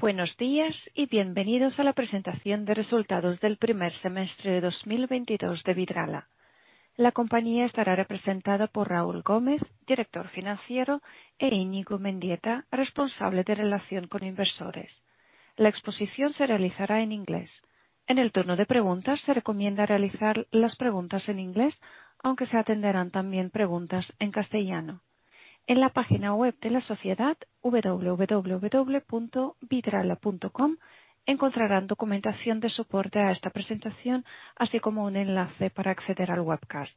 Buenos días y bienvenidos a la presentación de resultados del primer semestre de 2022 de Vidrala. La compañía estará representada por Raúl Gómez, Director Financiero, e Iñigo Mendieta, Responsable de Relación con Inversores. La exposición se realizará en inglés. En el turno de preguntas, se recomienda realizar las preguntas en inglés, aunque se atenderán también preguntas en castellano. En la página web de la sociedad, www.vidrala.com, encontrarán documentación de soporte a esta presentación, así como un enlace para acceder al webcast.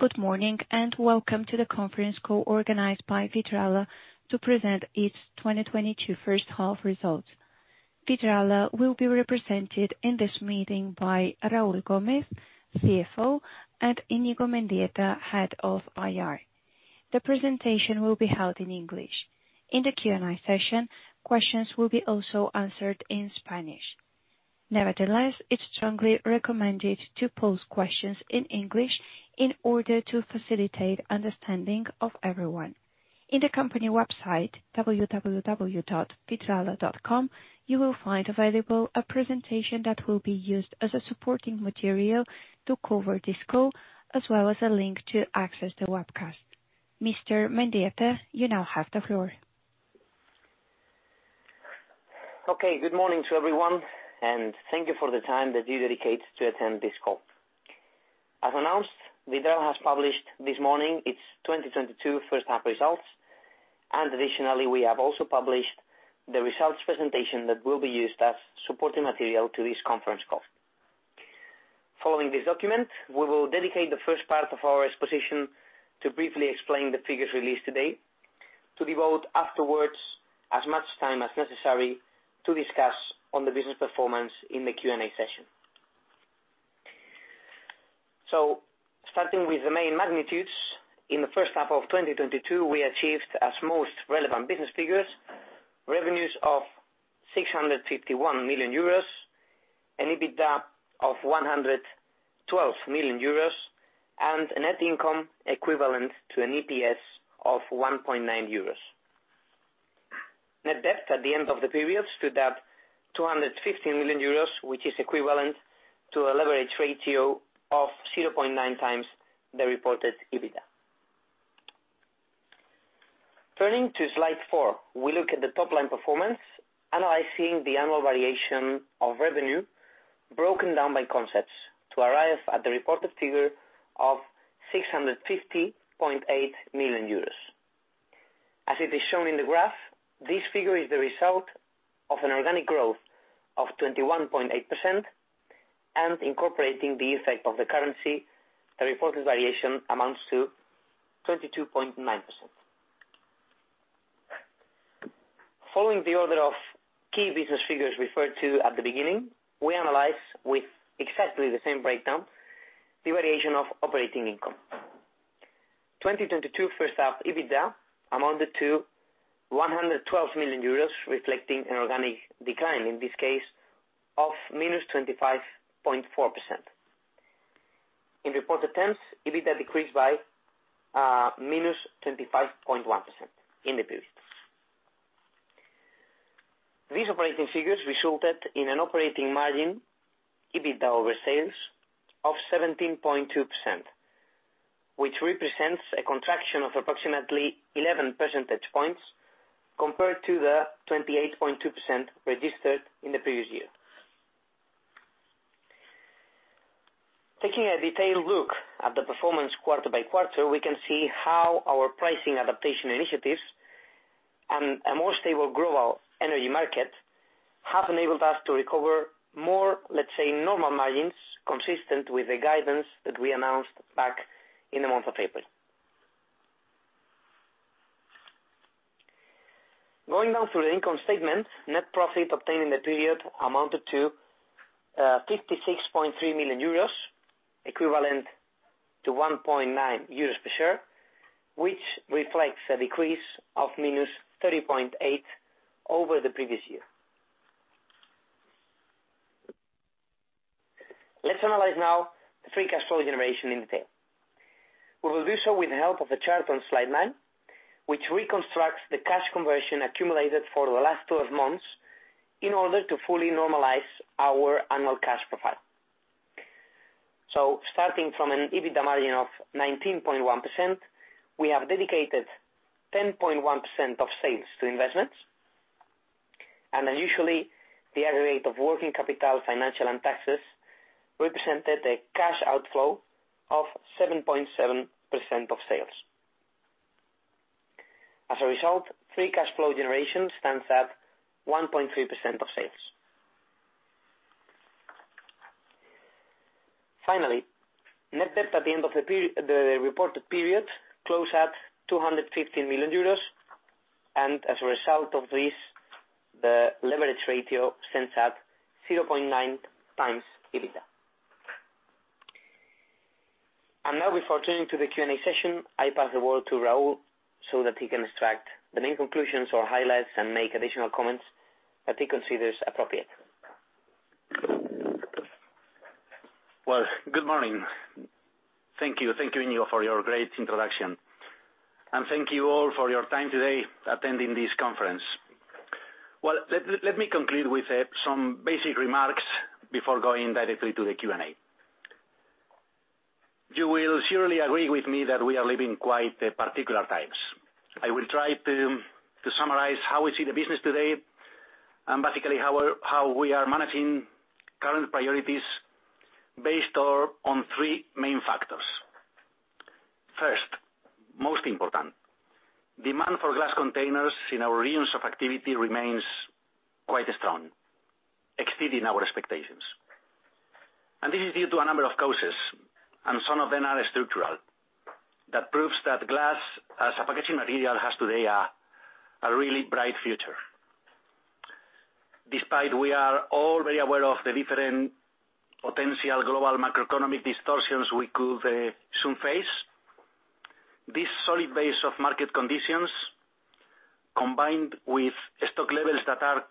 Good morning and welcome to the conference call organized by Vidrala to present its 2022 First Half Results. Vidrala will be represented in this meeting by Raúl Gómez, CFO, and Iñigo Mendieta, Head of IR. The presentation will be held in English. In the Q&A session, questions will be also answered in Spanish. Nevertheless, it's strongly recommended to pose questions in English in order to facilitate understanding of everyone. In the company website, www.vidrala.com, you will find available a presentation that will be used as a supporting material to cover this call, as well as a link to access the webcast. Mr. Mendieta, you now have the floor. Okay. Good morning to everyone, and thank you for the time that you dedicate to attend this call. As announced, Vidrala has published this morning its 2022 first half results. Additionally, we have also published the results presentation that will be used as supporting material to this conference call. Following this document, we will dedicate the first part of our exposition to briefly explain the figures released today to devote afterwards as much time as necessary to discuss on the business performance in the Q&A session. Starting with the main magnitudes, in the first half of 2022, we achieved our most relevant business figures, revenues of 651 million euros and EBITDA of 112 million euros and a net income equivalent to an EPS of 1.9 euros. Net debt at the end of the period stood at 250 million euros, which is equivalent to a leverage ratio of 0.9x the reported EBITDA. Turning to slide four, we look at the top-line performance, analyzing the annual variation of revenue broken down by concepts to arrive at the reported figure of 650.8 million euros. As it is shown in the graph, this figure is the result of an organic growth of 21.8% and incorporating the effect of the currency, the reported variation amounts to 22.9%. Following the order of key business figures referred to at the beginning, we analyze with exactly the same breakdown the variation of operating income. 2022 first half EBITDA amounted to 112 million euros, reflecting an organic decline, in this case of -25.4%. In reported terms, EBITDA decreased by -25.1% in the period. These operating figures resulted in an operating margin, EBITDA over sales, of 17.2%, which represents a contraction of approximately 11 percentage points compared to the 28.2% registered in the previous year. Taking a detailed look at the performance quarter-by-quarter, we can see how our pricing adaptation initiatives and a more stable global energy market have enabled us to recover more, let's say, normal margins, consistent with the guidance that we announced back in the month of April. Going down through the income statement, net profit obtained in the period amounted to 56.3 million euros, equivalent to 1.9 euros per share, which reflects a decrease of -30.8% over the previous year. Let's analyze now the free cash flow generation in detail. We will do so with the help of the chart on slide nine, which reconstructs the cash conversion accumulated for the last 12 months in order to fully normalize our annual cash profile. Starting from an EBITDA margin of 19.1%, we have dedicated 10.1% of sales to investments. As usual, the aggregate of working capital, financial and taxes represented a cash outflow of 7.7% of sales. As a result, free cash flow generation stands at 1.3% of sales. Finally, net debt at the end of the reported period closed at 250 million euros, and as a result of this, the leverage ratio stands at 0.9x EBITDA. Now before turning to the Q&A session, I pass the word to Raúl so that he can extract the main conclusions or highlights and make additional comments that he considers appropriate. Good morning. Thank you. Thank you, Iñigo, for your great introduction. Thank you all for your time today attending this conference. Well, let me conclude with some basic remarks before going directly to the Q&A. You will surely agree with me that we are living quite particular times. I will try to summarize how we see the business today, and basically how we are managing current priorities based on three main factors. First, most important, demand for glass containers in our regions of activity remains quite strong, exceeding our expectations. This is due to a number of causes, and some of them are structural, that proves that glass as a packaging material has today a really bright future. Despite we are all very aware of the different potential global macroeconomic distortions we could soon face, this solid base of market conditions, combined with stock levels that are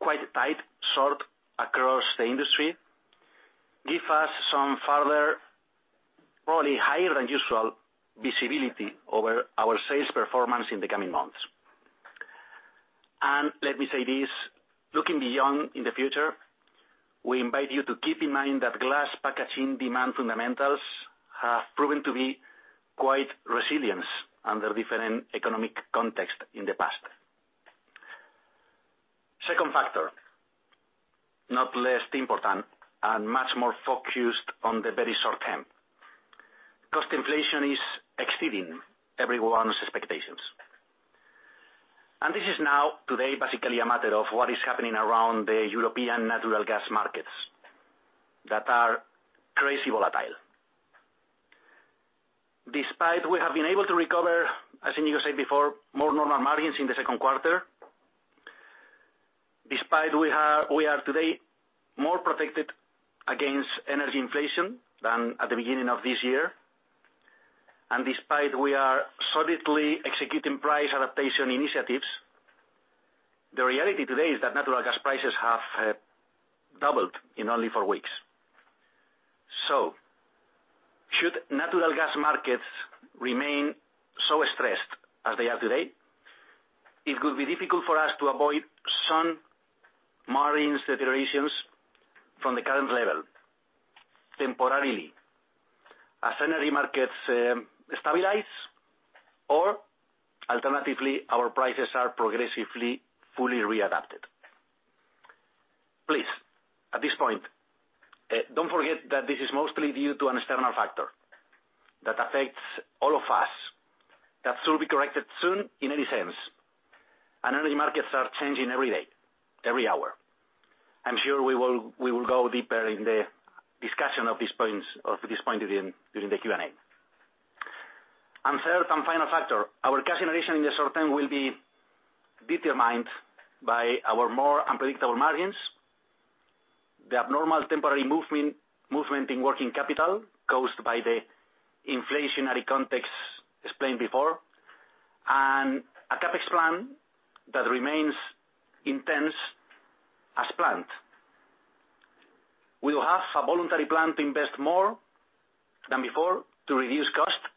quite tight, short across the industry, give us some further, probably higher than usual visibility over our sales performance in the coming months. Let me say this, looking beyond in the future, we invite you to keep in mind that glass packaging demand fundamentals have proven to be quite resilient under different economic context in the past. Second factor, not less important and much more focused on the very short term. Cost inflation is exceeding everyone's expectations. This is now, today, basically a matter of what is happening around the European natural gas markets that are crazy volatile. Despite we have been able to recover, as Iñigo said before, more normal margins in the second quarter, despite we are today more protected against energy inflation than at the beginning of this year, and despite we are solidly executing price adaptation initiatives, the reality today is that natural gas prices have doubled in only four weeks. Should natural gas markets remain so stressed as they are today, it will be difficult for us to avoid some margin deteriorations from the current level temporarily as energy markets stabilize or alternatively, our prices are progressively, fully readapted. Please, at this point, don't forget that this is mostly due to an external factor that affects all of us, that will be corrected soon in any sense. Energy markets are changing every day, every hour. I'm sure we will go deeper in the discussion of this point during the Q&A. Third and final factor, our cash generation in the short term will be determined by our more unpredictable margins, the abnormal temporary movement in working capital caused by the inflationary context explained before, and a CapEx plan that remains intense as planned. We will have a voluntary plan to invest more than before, to reduce cost,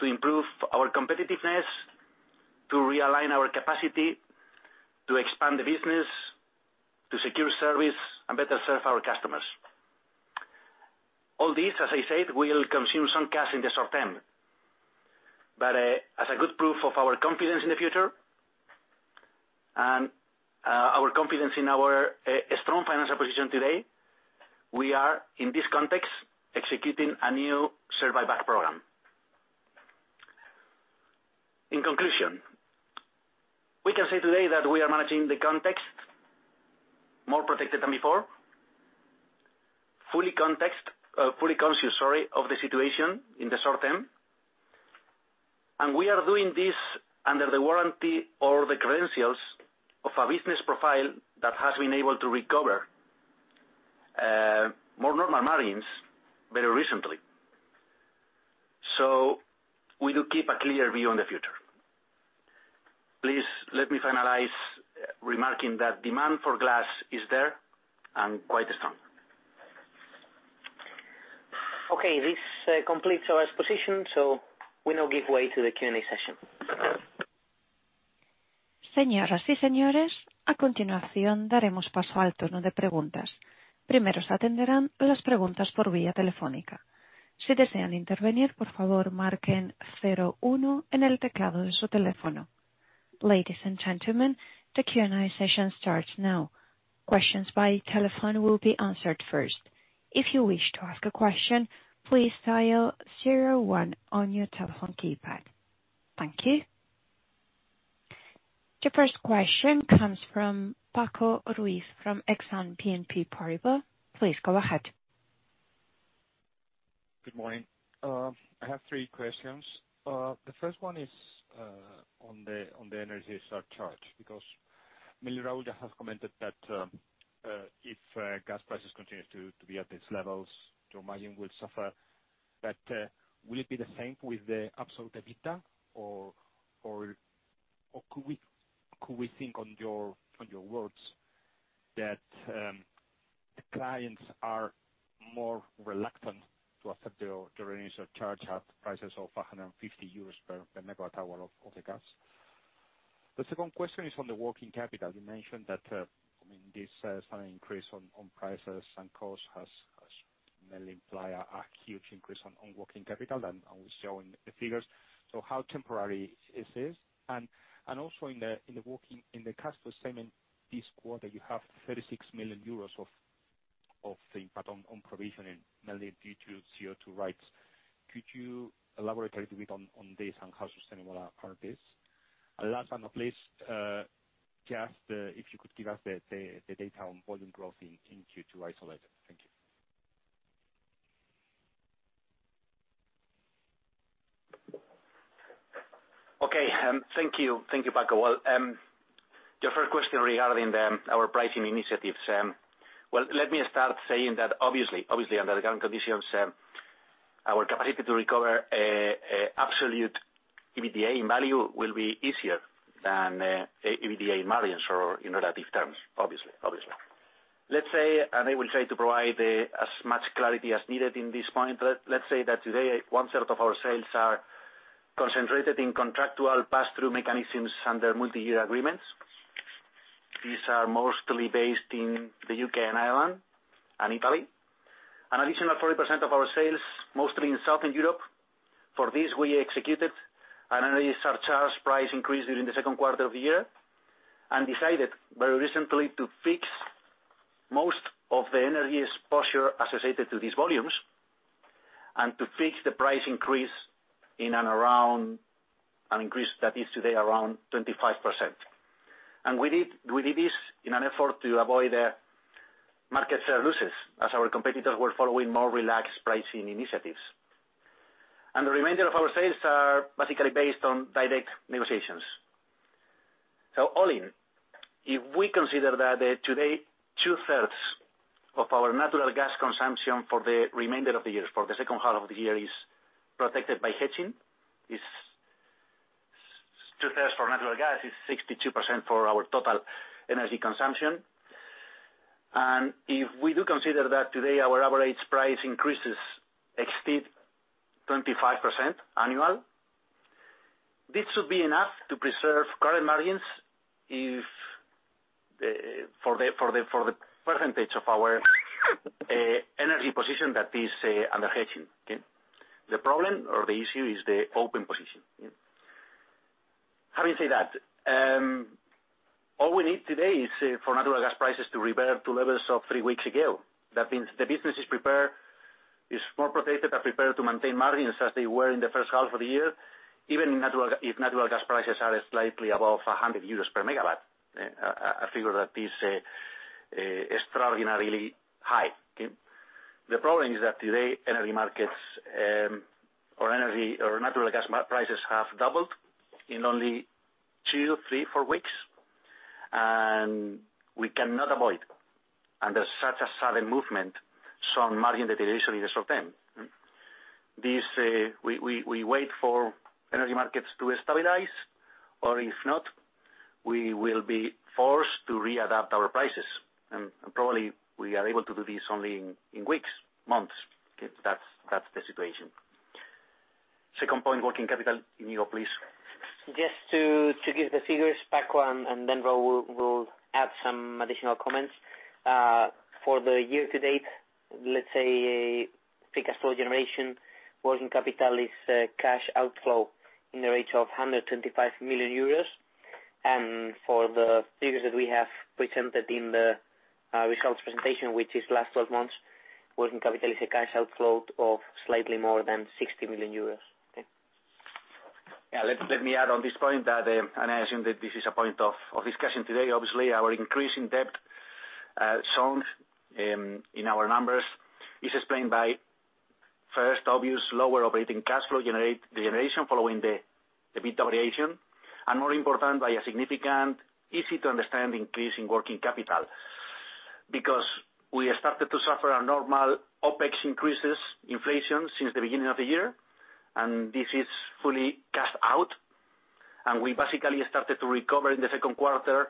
to improve our competitiveness, to realign our capacity, to expand the business, to secure service, and better serve our customers. All this, as I said, will consume some cash in the short term. But as a good proof of our confidence in the future and our confidence in our strong financial position today, we are in this context executing a new share buyback program. In conclusion, we can say today that we are managing the context more protected than before, fully conscious, sorry, of the situation in the short term, and we are doing this under the warranty or the credentials of a business profile that has been able to recover more normal margins very recently. We do keep a clear view on the future. Please let me finalize remarking that demand for glass is there and quite strong. Okay, this completes our exposition, so we now give way to the Q&A session. Ladies and gentlemen, the Q&A session starts now. Questions by telephone will be answered first. If you wish to ask a question, please dial zero one on your telephone keypad. Thank you. Your first question comes from Paco Ruiz from Exane BNP Paribas. Please go ahead. Good morning. I have three questions. The first one is on the energy surcharge, because Raúl has commented that, if gas prices continue to be at these levels, your margin will suffer. Will it be the same with the absolute EBITDA or could we think on your words that the clients are more reluctant to accept the initial charge at prices of 150 euros per MWh of the gas? The second question is on the working capital. You mentioned that, I mean, this sudden increase on prices and costs has mainly implied a huge increase on working capital, and we show in the figures. How temporary is this? Also in the cash flow statement this quarter, you have 36 million euros of the impact on provisioning, mainly due to CO2 rights. Could you elaborate a little bit on this and how sustainable are this? Last but not least, just if you could give us the data on volume growth in Q2 isolated. Thank you. Okay. Thank you. Thank you, Paco. Well, your first question regarding our pricing initiatives. Well, let me start saying that obviously, under the current conditions, our capacity to recover absolute EBITDA in value will be easier than EBITDA margins or in relative terms, obviously. Let's say I will try to provide as much clarity as needed in this point. Let's say that today, 1/3 of our sales are concentrated in contractual pass-through mechanisms under multiyear agreements. These are mostly based in the U.K. and Ireland and Italy. An additional 40% of our sales, mostly in Southern Europe, for this, we executed an energy surcharge price increase during the second quarter of the year, and decided very recently to fix most of the energy exposure associated to these volumes and to fix the price increase in and around an increase that is today around 25%. We did this in an effort to avoid market share losses as our competitors were following more relaxed pricing initiatives. The remainder of our sales are basically based on direct negotiations. All in, if we consider that today, 2/3 of our natural gas consumption for the remainder of the year, for the second half of the year, is protected by hedging. It's 2/3 for natural gas, it's 62% for our total energy consumption. If we do consider that today our average price increases exceed 25% annual, this should be enough to preserve current margins if for the percentage of our energy position that is under hedging, okay? The problem or the issue is the open position, yeah. How do you say that? All we need today is for natural gas prices to revert to levels of three weeks ago. That means the business is prepared, is more protected and prepared to maintain margins as they were in the first half of the year, even if natural gas prices are slightly above 100 euros per megawatt, a figure that is extraordinarily high, okay? The problem is that today, energy markets or natural gas prices have doubled in only two, three, four weeks, and we cannot avoid, under such a sudden movement, some margin deterioration in the short term. This, we wait for energy markets to stabilize, or if not, we will be forced to readapt our prices, and probably we are able to do this only in weeks, months, okay? That's the situation. Second point, working capital, Iñigo, please. Just to give the figures, Paco, and then Raúl will add some additional comments. For the year-to-date, let's say free cash flow generation, working capital is cash outflow in the region of 125 million euros. For the figures that we have presented in the results presentation, which is last twelve months, working capital is a cash outflow of slightly more than 60 million euros. Okay. Yeah, let me add on this point that I assume that this is a point of discussion today. Obviously, our increase in debt shown in our numbers is explained by, first, obviously lower operating cash flow generation following the EBIT variation, and more important, by a significant easy to understand increase in working capital. Because we have started to suffer our normal OpEX increases, inflation, since the beginning of the year, and this is fully cash out. We basically started to recover in the second quarter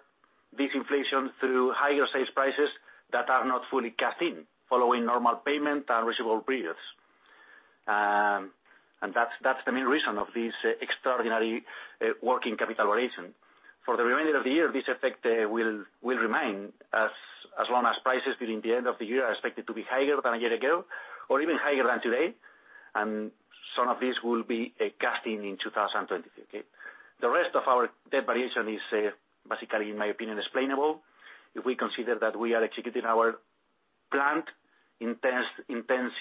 this inflation through higher sales prices that are not fully cash in, following normal payment and receivable periods. That's the main reason of this extraordinary working capital variation. For the remainder of the year, this effect will remain as long as prices during the end of the year are expected to be higher than a year ago or even higher than today, and some of this will be cast in 2023, okay. The rest of our debt variation is basically, in my opinion, explainable if we consider that we are executing our planned intense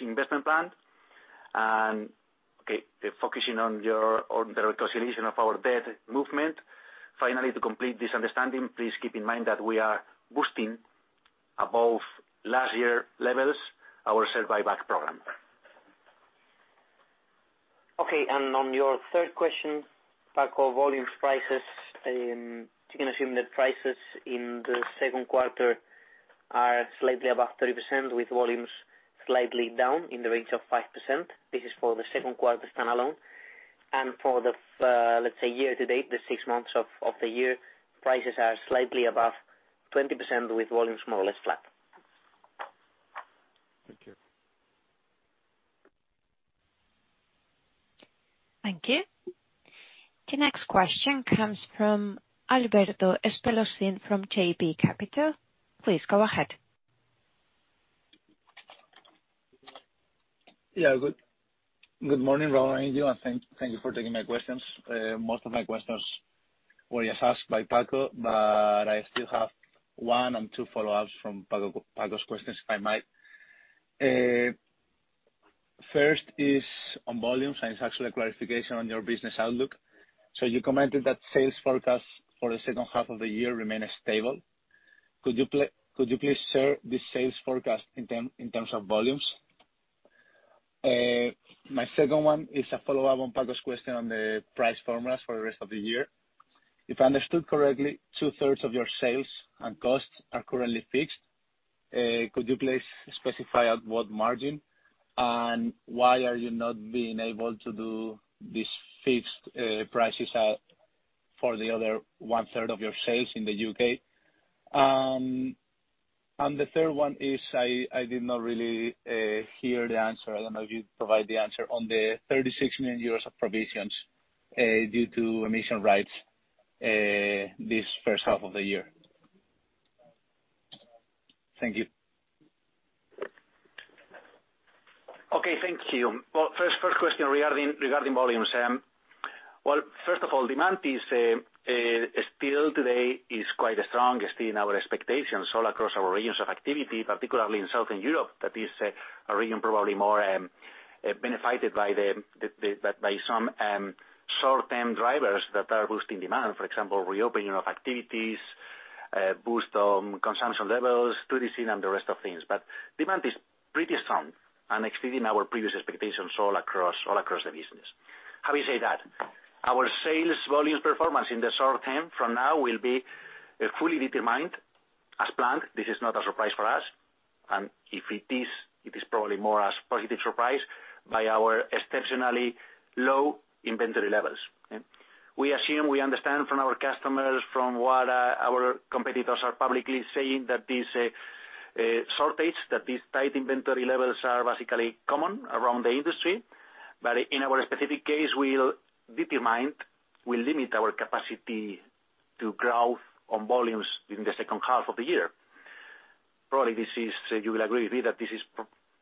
investment plan and focusing on your reconciliation of our debt movement. Finally, to complete this understanding, please keep in mind that we are boosting above last year levels our share buyback program. Okay, on your third question, Paco, volumes, prices, you can assume that prices in the second quarter Slightly above 30% with volumes slightly down in the range of 5%. This is for the second quarter stand-alone. For the, let's say, year-to-date, the six months of the year, prices are slightly above 20% with volumes more or less flat. Thank you. Thank you. The next question comes from Alberto Espelosín from JB Capital. Please go ahead. Good morning Raúl and Iñigo, and thank you for taking my questions. Most of my questions were just asked by Paco, but I still have one and two follow-ups from Paco's questions, if I might. First is on volumes, and it's actually a clarification on your business outlook. You commented that sales forecasts for the second half of the year remain stable. Could you please share the sales forecast in terms of volumes? My second one is a follow-up on Paco's question on the price formulas for the rest of the year. If I understood correctly, 2/3 of your sales and costs are currently fixed. Could you please specify at what margin, and why are you not being able to do these fixed prices at for the other 1/3 of your sales in the U.K.? The third one is I did not really hear the answer. I don't know if you'd provide the answer on the 36 million euros of provisions due to emission rights this first half of the year. Thank you. Okay, thank you. Well, first question regarding volumes. Well, first of all, demand is still today quite strong, still in our expectations all across our regions of activity, particularly in Southern Europe. That is a region probably more benefited by some short-term drivers that are boosting demand, for example, reopening of activities, boost on consumption levels, tourism and the rest of things. Demand is pretty strong and exceeding our previous expectations all across the business. Having said that, our sales volume performance in the short term from now will be fully determined as planned. This is not a surprise for us, and if it is, it is probably more as positive surprise by our exceptionally low inventory levels. We assume we understand from our customers, from what our competitors are publicly saying that this shortage that these tight inventory levels are basically common around the industry. In our specific case, will limit our capacity to growth on volumes during the second half of the year. You will agree with me that this is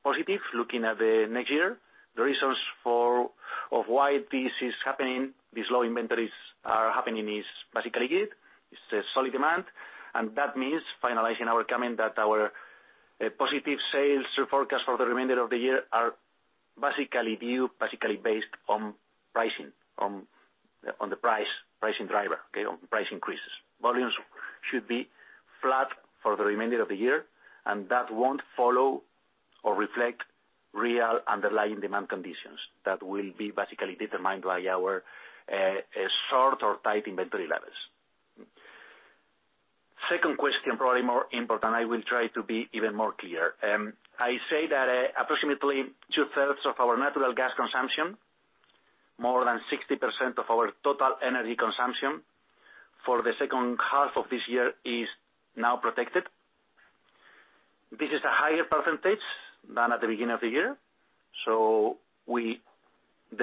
positive looking at the next year. The reasons why this is happening, these low inventories are happening is basically. It's a solid demand, and that means finalizing our comment that our positive sales forecast for the remainder of the year are basically based on pricing, the pricing driver, okay? On price increases. Volumes should be flat for the remainder of the year, and that won't follow or reflect real underlying demand conditions. That will be basically determined by our short or tight inventory levels. Second question, probably more important, I will try to be even more clear. I say that approximately 2/3 of our natural gas consumption, more than 60% of our total energy consumption for the second half of this year is now protected. This is a higher percentage than at the beginning of the year, so we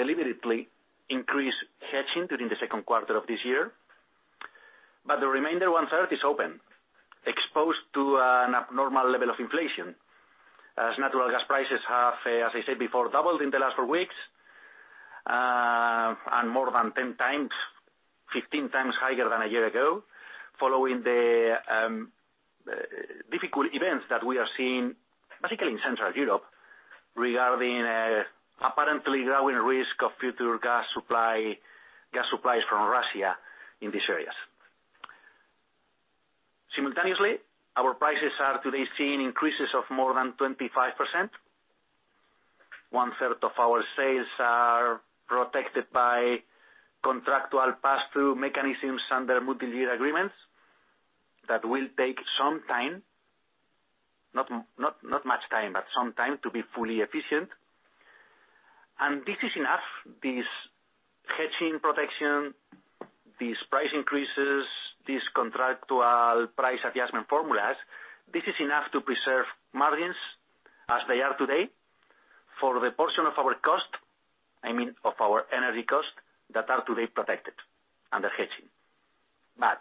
deliberately increased hedging during the second quarter of this year. The remainder 1/3 is open, exposed to an abnormal level of inflation as natural gas prices have, as I said before, doubled in the last four weeks and more than 10x, 15x higher than a year ago, following the difficult events that we are seeing, particularly in Central Europe, regarding an apparently growing risk of future gas supply, gas supplies from Russia in these areas. Simultaneously, our prices are today seeing increases of more than 25%. One-third of our sales are protected by contractual pass-through mechanisms under multi-year agreements that will take some time, not much time, but some time to be fully efficient. This is enough, this hedging protection, these price increases, these contractual price adjustment formulas, this is enough to preserve margins as they are today for the portion of our cost, I mean, of our energy costs, that are today protected under hedging. But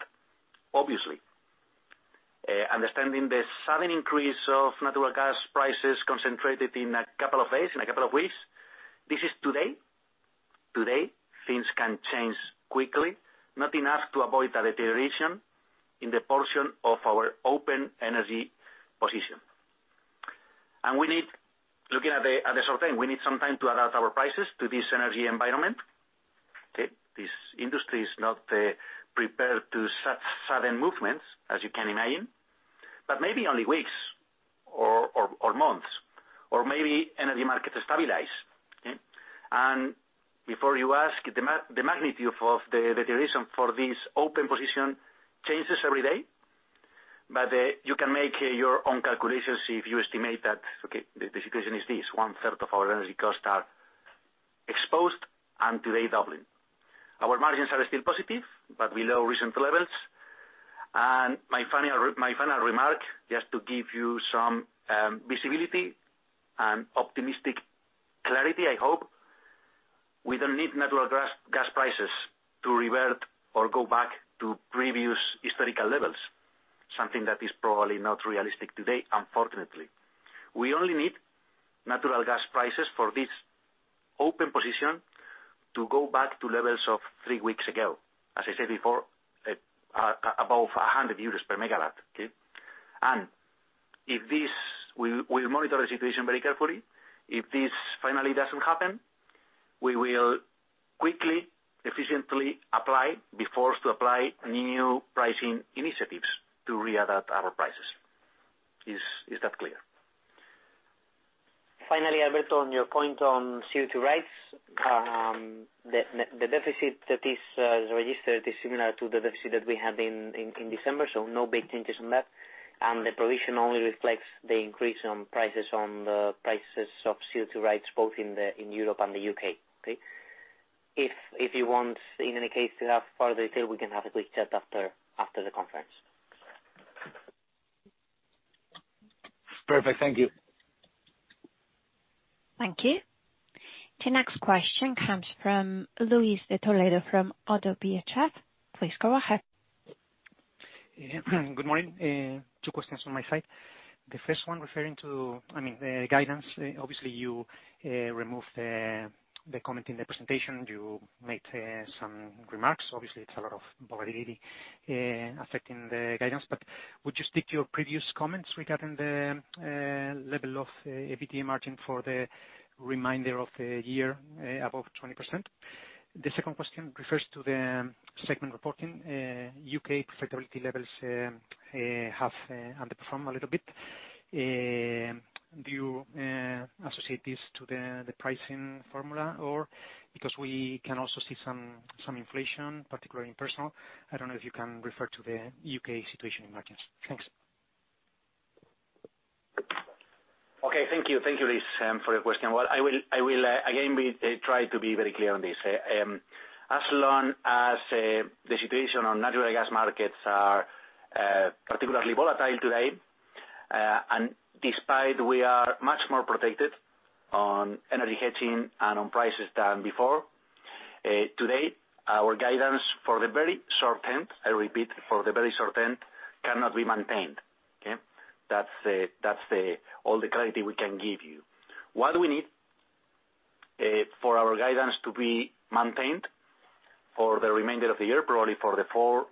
obviously, understanding the sudden increase of natural gas prices concentrated in a couple of days, in a couple of weeks, this is today. Today things can change quickly, not enough to avoid a deterioration in the portion of our open energy position. We need, looking at the short term, some time to adapt our prices to this energy environment, okay? This industry is not prepared to such sudden movements as you can imagine, but maybe only weeks or months. Or maybe energy markets stabilize. Okay? Before you ask, the magnitude of the reason for this open position changes every day. You can make your own calculations if you estimate that, okay, the situation is this, 1/3 of our energy costs are exposed and today doubling. Our margins are still positive, but below recent levels. My final remark, just to give you some visibility and optimistic clarity, I hope, we don't need natural gas prices to revert or go back to previous historical levels, something that is probably not realistic today, unfortunately. We only need natural gas prices for this open position to go back to levels of three weeks ago. As I said before, above 100 euros per megawatt. We monitor the situation very carefully. If this finally doesn't happen, we will quickly, efficiently apply, be forced to apply new pricing initiatives to readapt our prices. Is that clear? Finally, Alberto, on your point on CO2 rights, the deficit that is registered is similar to the deficit that we had in December, so no big changes on that. The provision only reflects the increase on prices, on the prices of CO2 rights both in Europe and the U.K. Okay? If you want, in any case, to have further detail, we can have a quick chat after the conference. Perfect. Thank you. Thank you. The next question comes from Luis de Toledo from ODDO BHF. Please go ahead. Yeah. Good morning. Two questions on my side. The first one referring to, I mean, the guidance. Obviously, you removed the comment in the presentation. You made some remarks. Obviously, it's a lot of volatility affecting the guidance. Would you stick to your previous comments regarding the level of EBITDA margin for the remainder of the year above 20%? The second question refers to the segment reporting. U.K. profitability levels have underperformed a little bit. Do you associate this to the pricing formula, or because we can also see some inflation, particularly in personal? I don't know if you can refer to the U.K. situation in markets. Thanks. Okay. Thank you. Thank you, Luis, for your question. Well, I will again try to be very clear on this. As long as the situation on natural gas markets are particularly volatile today, and despite we are much more protected on energy hedging and on prices than before, today, our guidance for the very short term, I repeat, for the very short term, cannot be maintained. Okay? That's all the clarity we can give you. What we need for our guidance to be maintained for the remainder of the year, probably for the fourth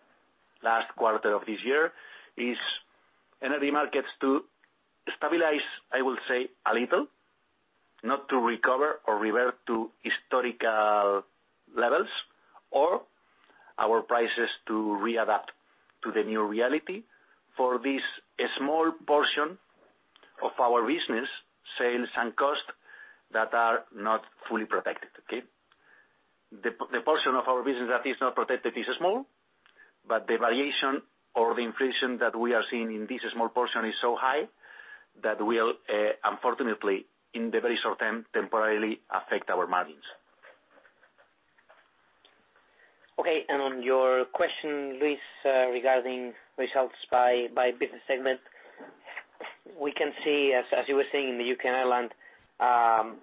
quarter of this year, is energy markets to stabilize, I will say, a little, not to recover or revert to historical levels, or our prices to readapt to the new reality for this small portion of our business, sales and cost, that are not fully protected, okay? The portion of our business that is not protected is small, but the variation or the inflation that we are seeing in this small portion is so high that will unfortunately, in the very short term, temporarily affect our margins. On your question, Luis, regarding results by business segment, we can see, as you were saying, in the U.K. and Ireland, a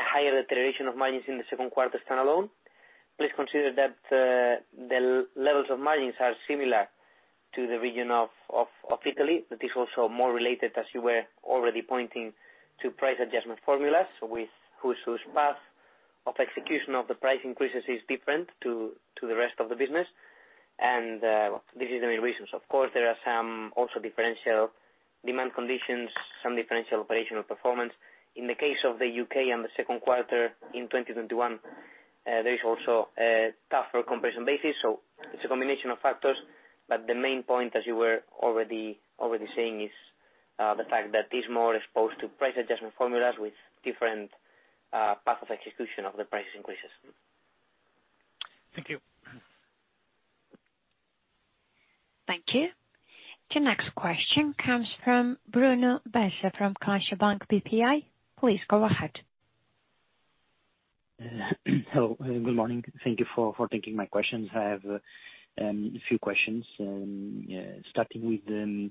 higher deterioration of margins in the second quarter standalone. Please consider that, the levels of margins are similar to the region of Italy. That is also more related, as you were already pointing, to price adjustment formulas with whose path of execution of the price increases is different to the rest of the business. This is the main reasons. Of course, there are some also differential demand conditions, some differential operational performance. In the case of the U.K. and the second quarter in 2021, there is also a tougher comparison basis, so it's a combination of factors. The main point, as you were already saying, is the fact that it's more exposed to price adjustment formulas with different paths of execution of the price increases. Thank you. Thank you. The next question comes from Bruno Bessa from CaixaBank BPI. Please go ahead. Hello. Good morning. Thank you for taking my questions. I have a few questions. Starting with the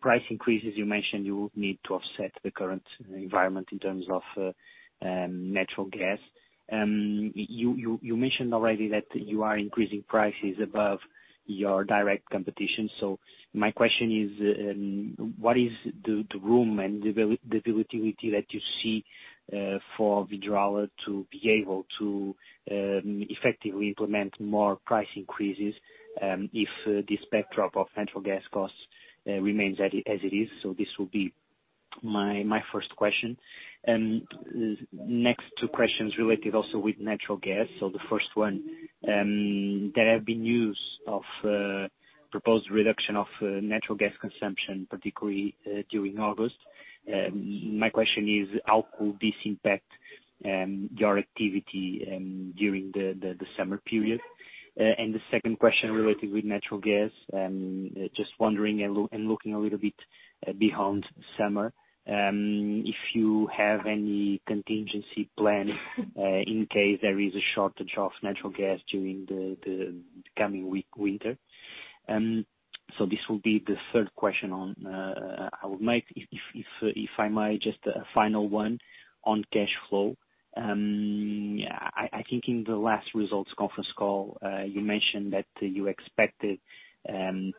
price increases you mentioned you need to offset the current environment in terms of natural gas. You mentioned already that you are increasing prices above your direct competition. My question is, what is the room and the ability that you see for Vidrala to be able to effectively implement more price increases, if this backdrop of natural gas costs remains as it is? This will be my first question. Next two questions related also with natural gas. The first one, there have been news of proposed reduction of natural gas consumption, particularly during August. My question is, how could this impact your activity during the summer period. The second question related with natural gas, just wondering and looking a little bit beyond summer, if you have any contingency plan, in case there is a shortage of natural gas during the coming winter. This will be the third question on, I would make if I may just a final one on cash flow. I think in the last results conference call, you mentioned that you expected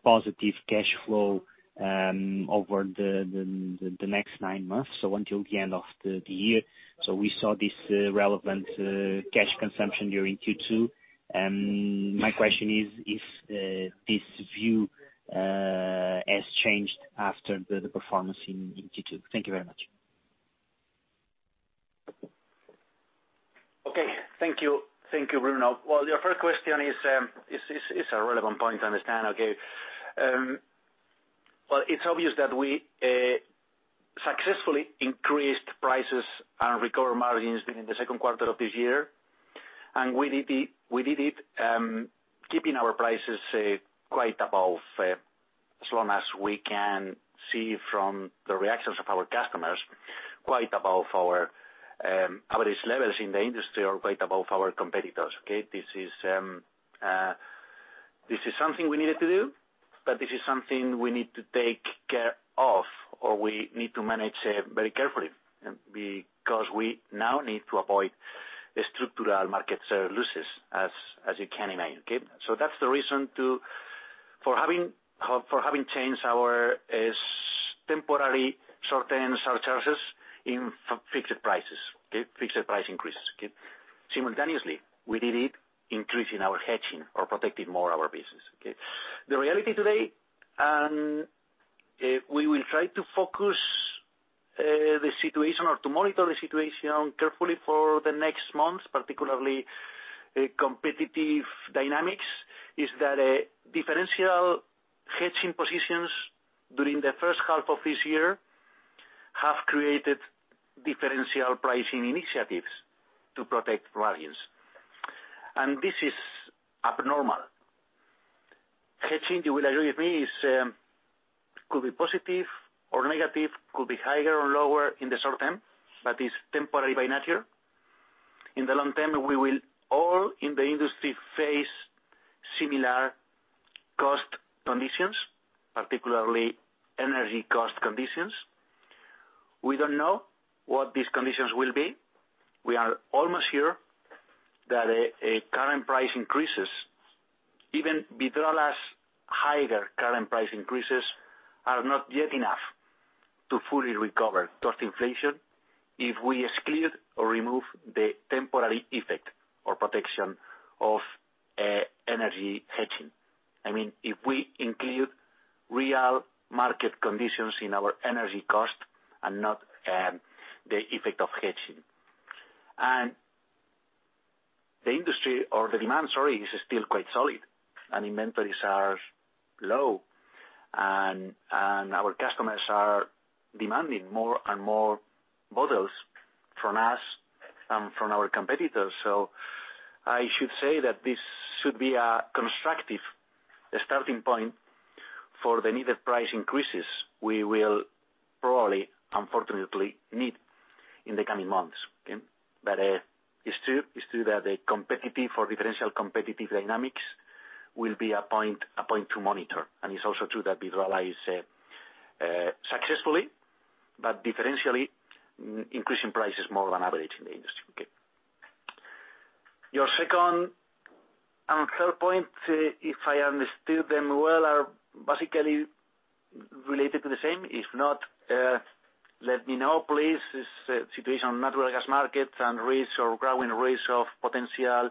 positive cash flow over the next nine months, so until the end of the year. We saw this relevant cash consumption during Q2. My question is, if this view has changed after the performance in Q2? Thank you very much. Okay. Thank you. Thank you, Bruno. Well, your first question is a relevant point to understand. Okay. Well, it's obvious that we successfully increased prices and recovered margins during the second quarter of this year. We did it keeping our prices quite above, as long as we can see from the reactions of our customers, quite above our average levels in the industry or quite above our competitors. Okay. This is something we needed to do, but this is something we need to take care of, or we need to manage it very carefully because we now need to avoid the structural market losses as you can imagine. Okay. That's the reason for having changed our temporary short-term surcharges in fixed prices. Okay. Fixed price increases. Okay? Simultaneously, we did it increasing our hedging or protecting more our business. Okay? The reality today, and we will try to focus on the situation or to monitor the situation carefully for the next months, particularly competitive dynamics, is that differential hedging positions during the first half of this year have created differential pricing initiatives to protect margins. This is abnormal. Hedging, you will agree with me, could be positive or negative, could be higher or lower in the short term, but is temporary by nature. In the long term, we will all in the industry face similar cost conditions, particularly energy cost conditions. We don't know what these conditions will be. We are almost sure that current price increases, even Vidrala's higher current price increases, are not yet enough to fully recover cost inflation if we exclude or remove the temporary effect or protection of energy hedging. I mean, if we include real market conditions in our energy cost and not the effect of hedging. The demand is still quite solid, and inventories are low and our customers are demanding more and more bottles from us and from our competitors. I should say that this should be a constructive starting point for the needed price increases we will probably, unfortunately, need in the coming months. Okay. It's true that the differential competitive dynamics will be a point to monitor. It's also true that Vidrala is successfully, but differentially increasing prices more than average in the industry. Okay. Your second and third point, if I understood them well, are basically related to the same. If not, let me know, please. The situation on natural gas markets and risk or growing risk of potential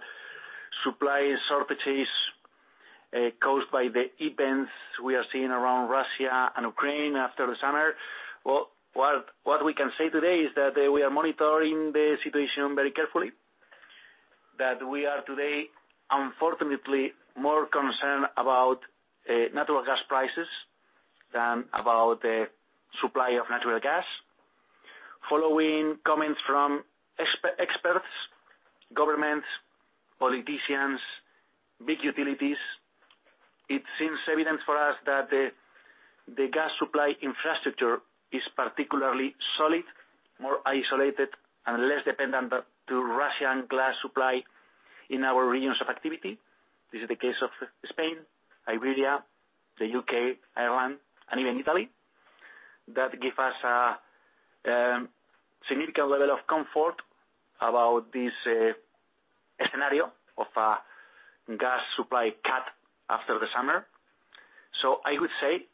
supply shortages caused by the events we are seeing around Russia and Ukraine after the summer. Well, what we can say today is that we are monitoring the situation very carefully, that we are today, unfortunately, more concerned about natural gas prices than about the supply of natural gas. Following comments from experts, governments, politicians, big utilities, it seems evident for us that the gas supply infrastructure is particularly solid, more isolated and less dependent on Russian gas supply in our regions of activity. This is the case of Spain, Iberia, the U.K., Ireland, and even Italy. That give us a significant level of comfort about this scenario of a gas supply cut after the summer. I would say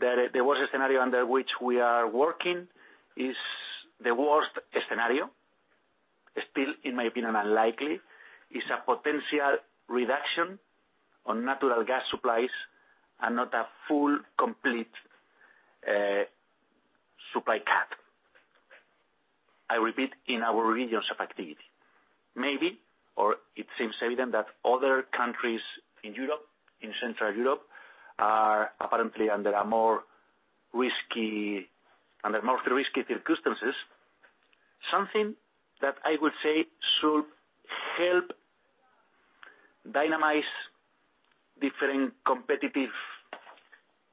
that there was a scenario under which we are working is the worst scenario, still, in my opinion, unlikely, is a potential reduction on natural gas supplies and not a full, complete supply cut. I repeat, in our regions of activity. Maybe, or it seems evident that other countries in Europe, in Central Europe, are apparently under more risky circumstances, something that I would say should help dynamize different competitive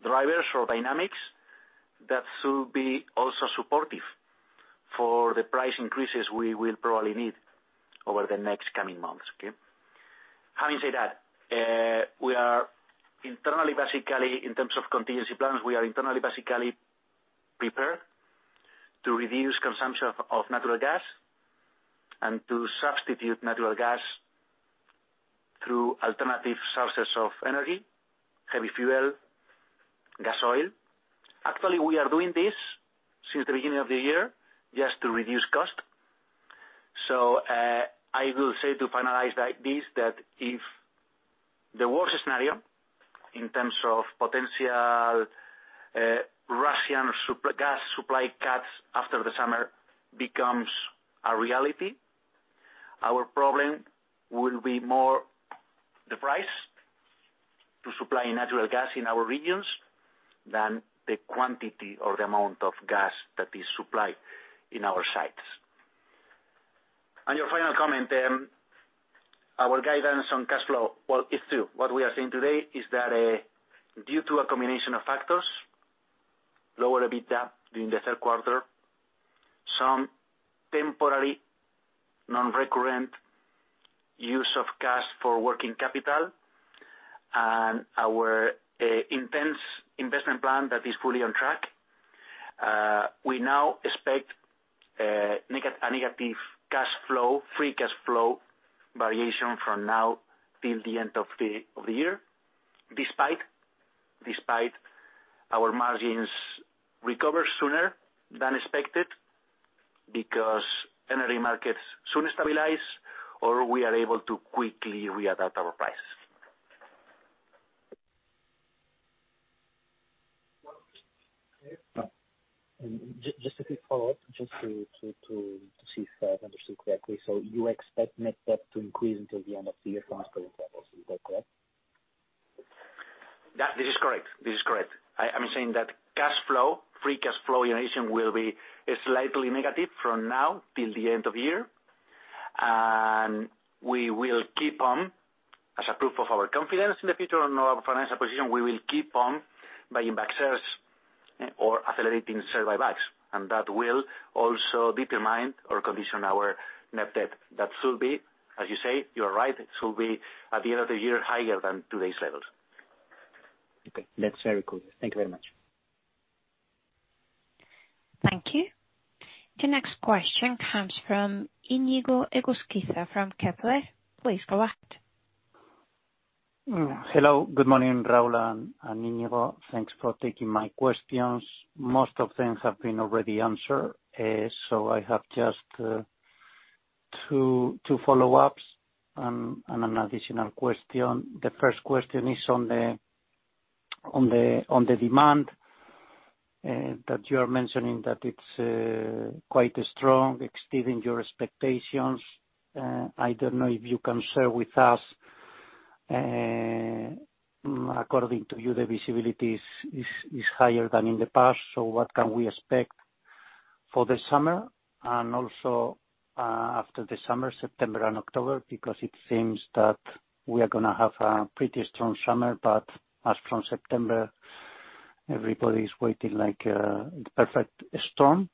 drivers or dynamics that should be also supportive for the price increases we will probably need over the next coming months. Okay? Having said that, we are internally basically prepared in terms of contingency plans to reduce consumption of natural gas and to substitute natural gas through alternative sources of energy, heavy fuel, gas oil. Actually, we are doing this since the beginning of the year just to reduce cost. I will say to finalize like this, that if the worst scenario in terms of potential Russian gas supply cuts after the summer becomes a reality, our problem will be more the price to supply natural gas in our regions than the quantity or the amount of gas that is supplied in our sites. On your final comment, our guidance on cash flow, it's true. What we are seeing today is that, due to a combination of factors, lower EBITDA during the third quarter, some temporary non-recurrent use of cash for working capital and our intense investment plan that is fully on track, we now expect a negative cash flow, free cash flow variation from now till the end of the year, despite our margins recover sooner than expected because energy markets soon stabilize or we are able to quickly re-adapt our prices. Just a quick follow-up, just to see if I've understood correctly. You expect net debt to increase until the end of the year from its current levels. Is that correct? This is correct. I'm saying that cash flow, free cash flow generation will be slightly negative from now till the end of year. We will keep on, as a proof of our confidence in the future and our financial position, we will keep on buying back shares or accelerating share buybacks, and that will also determine or condition our net debt. That should be, as you say, you are right, it should be at the end of the year higher than today's levels. Okay. That's very clear. Thank you very much. Thank you. The next question comes from Iñigo Egusquiza from Kepler. Please go ahead. Hello. Good morning, Raúl and Iñigo. Thanks for taking my questions. Most of them have been already answered, so I have just two follow-ups and an additional question. The first question is on the demand that you are mentioning that it's quite strong, exceeding your expectations. I don't know if you can share with us, according to you, the visibility is higher than in the past. What can we expect for the summer and also after the summer, September and October? Because it seems that we are gonna have a pretty strong summer, but as from September, everybody's waiting, like, the perfect storm.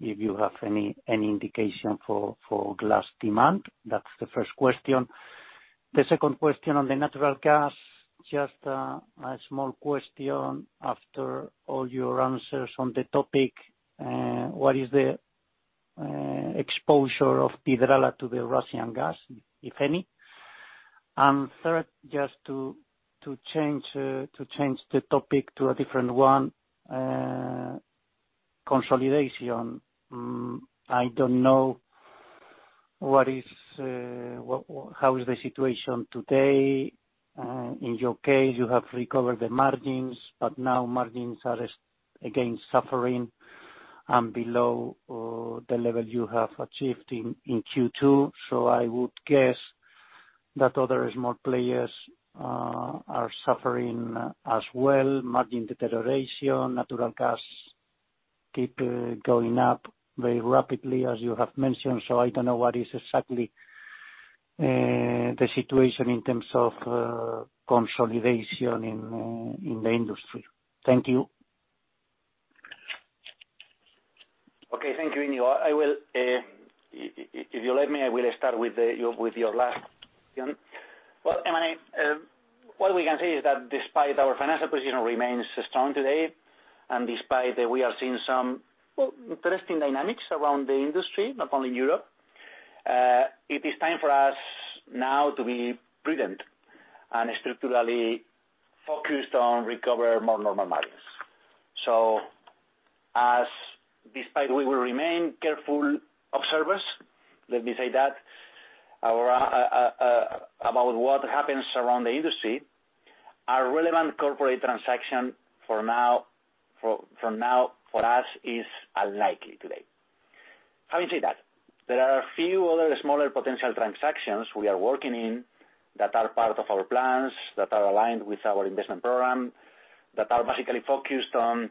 If you have any indication for glass demand. That's the first question. The second question on the natural gas, just, a small question after all your answers on the topic, what is the exposure of Vidrala to the Russian gas, if any? Third, just to change the topic to a different one, consolidation. I don't know how is the situation today? In your case, you have recovered the margins, but now margins are again suffering and below the level you have achieved in Q2. I would guess that other small players are suffering as well, margin deterioration, natural gas keep going up very rapidly, as you have mentioned. I don't know what is exactly the situation in terms of consolidation in the industry. Thank you. Okay. Thank you, Iñigo. If you let me, I will start with your last question. What we can say is that despite our financial position remains strong today, and despite that we are seeing some interesting dynamics around the industry, not only in Europe, it is time for us now to be prudent and structurally focused on recover more normal margins. Despite we will remain careful observers, let me say that about what happens around the industry. A relevant corporate transaction for now, for us, is unlikely today. Having said that, there are a few other smaller potential transactions we are working on that are part of our plans, that are aligned with our investment program, that are basically focused on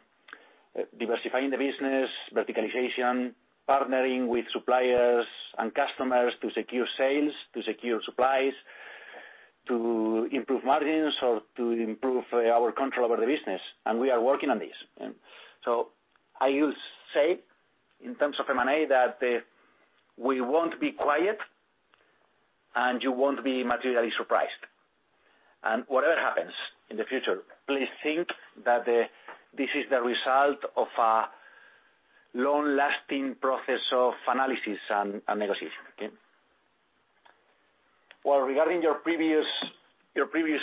diversifying the business, verticalization, partnering with suppliers and customers to secure sales, to secure supplies, to improve margins, or to improve our control over the business, and we are working on this. I will say, in terms of M&A, that we won't be quiet, and you won't be materially surprised. Whatever happens in the future, please think that this is the result of a long-lasting process of analysis and negotiation. Okay. Well, regarding your previous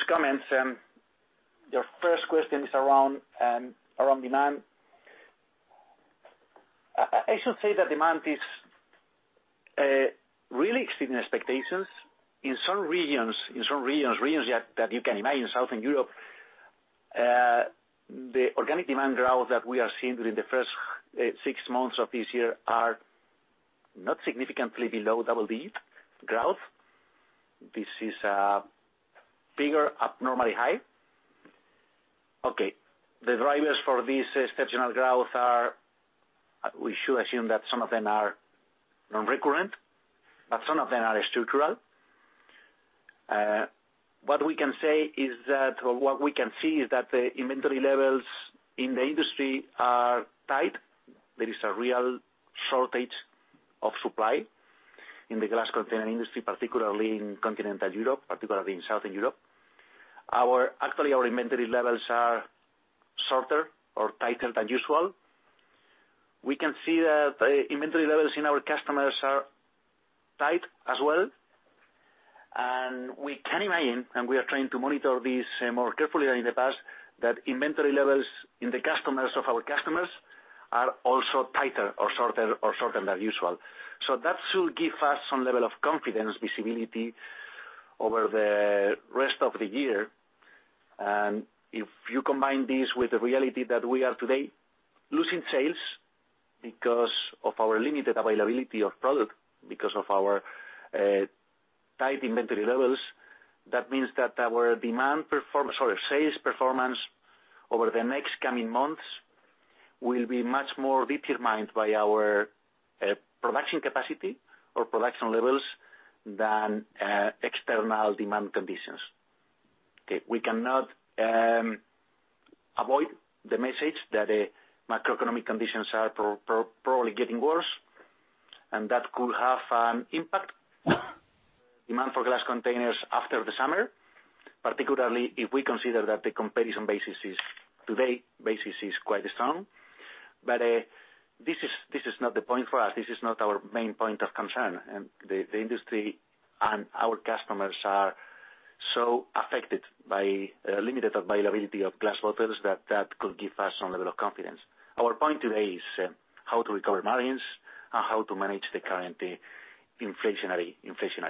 comments, your first question is around demand. I should say that demand is really exceeding expectations. In some regions that you can imagine, Southern Europe, the organic demand growth that we are seeing during the first six months of this year are not significantly below double-digit growth. This is bigger, abnormally high. Okay. The drivers for this exceptional growth are. We should assume that some of them are non-recurrent, but some of them are structural. What we can say is that, or what we can see is that the inventory levels in the industry are tight. There is a real shortage of supply in the glass container industry, particularly in continental Europe, particularly in Southern Europe. Actually, our inventory levels are shorter or tighter than usual. We can see that the inventory levels in our customers are tight as well, and we can imagine, and we are trying to monitor this more carefully than in the past, that inventory levels in the customers of our customers are also tighter or shorter than usual. That should give us some level of confidence visibility over the rest of the year. If you combine this with the reality that we are today losing sales because of our limited availability of product, because of our tight inventory levels, that means that our demand performance or our sales performance over the next coming months will be much more determined by our production capacity or production levels than external demand conditions. Okay. We cannot avoid the message that macroeconomic conditions are probably getting worse, and that could have an impact on demand for glass containers after the summer, particularly if we consider that the comparison basis is quite strong. This is not the point for us. This is not our main point of concern. The industry and our customers are so affected by limited availability of glass bottles that that could give us some level of confidence. Our point today is how to recover margins and how to manage the current inflationary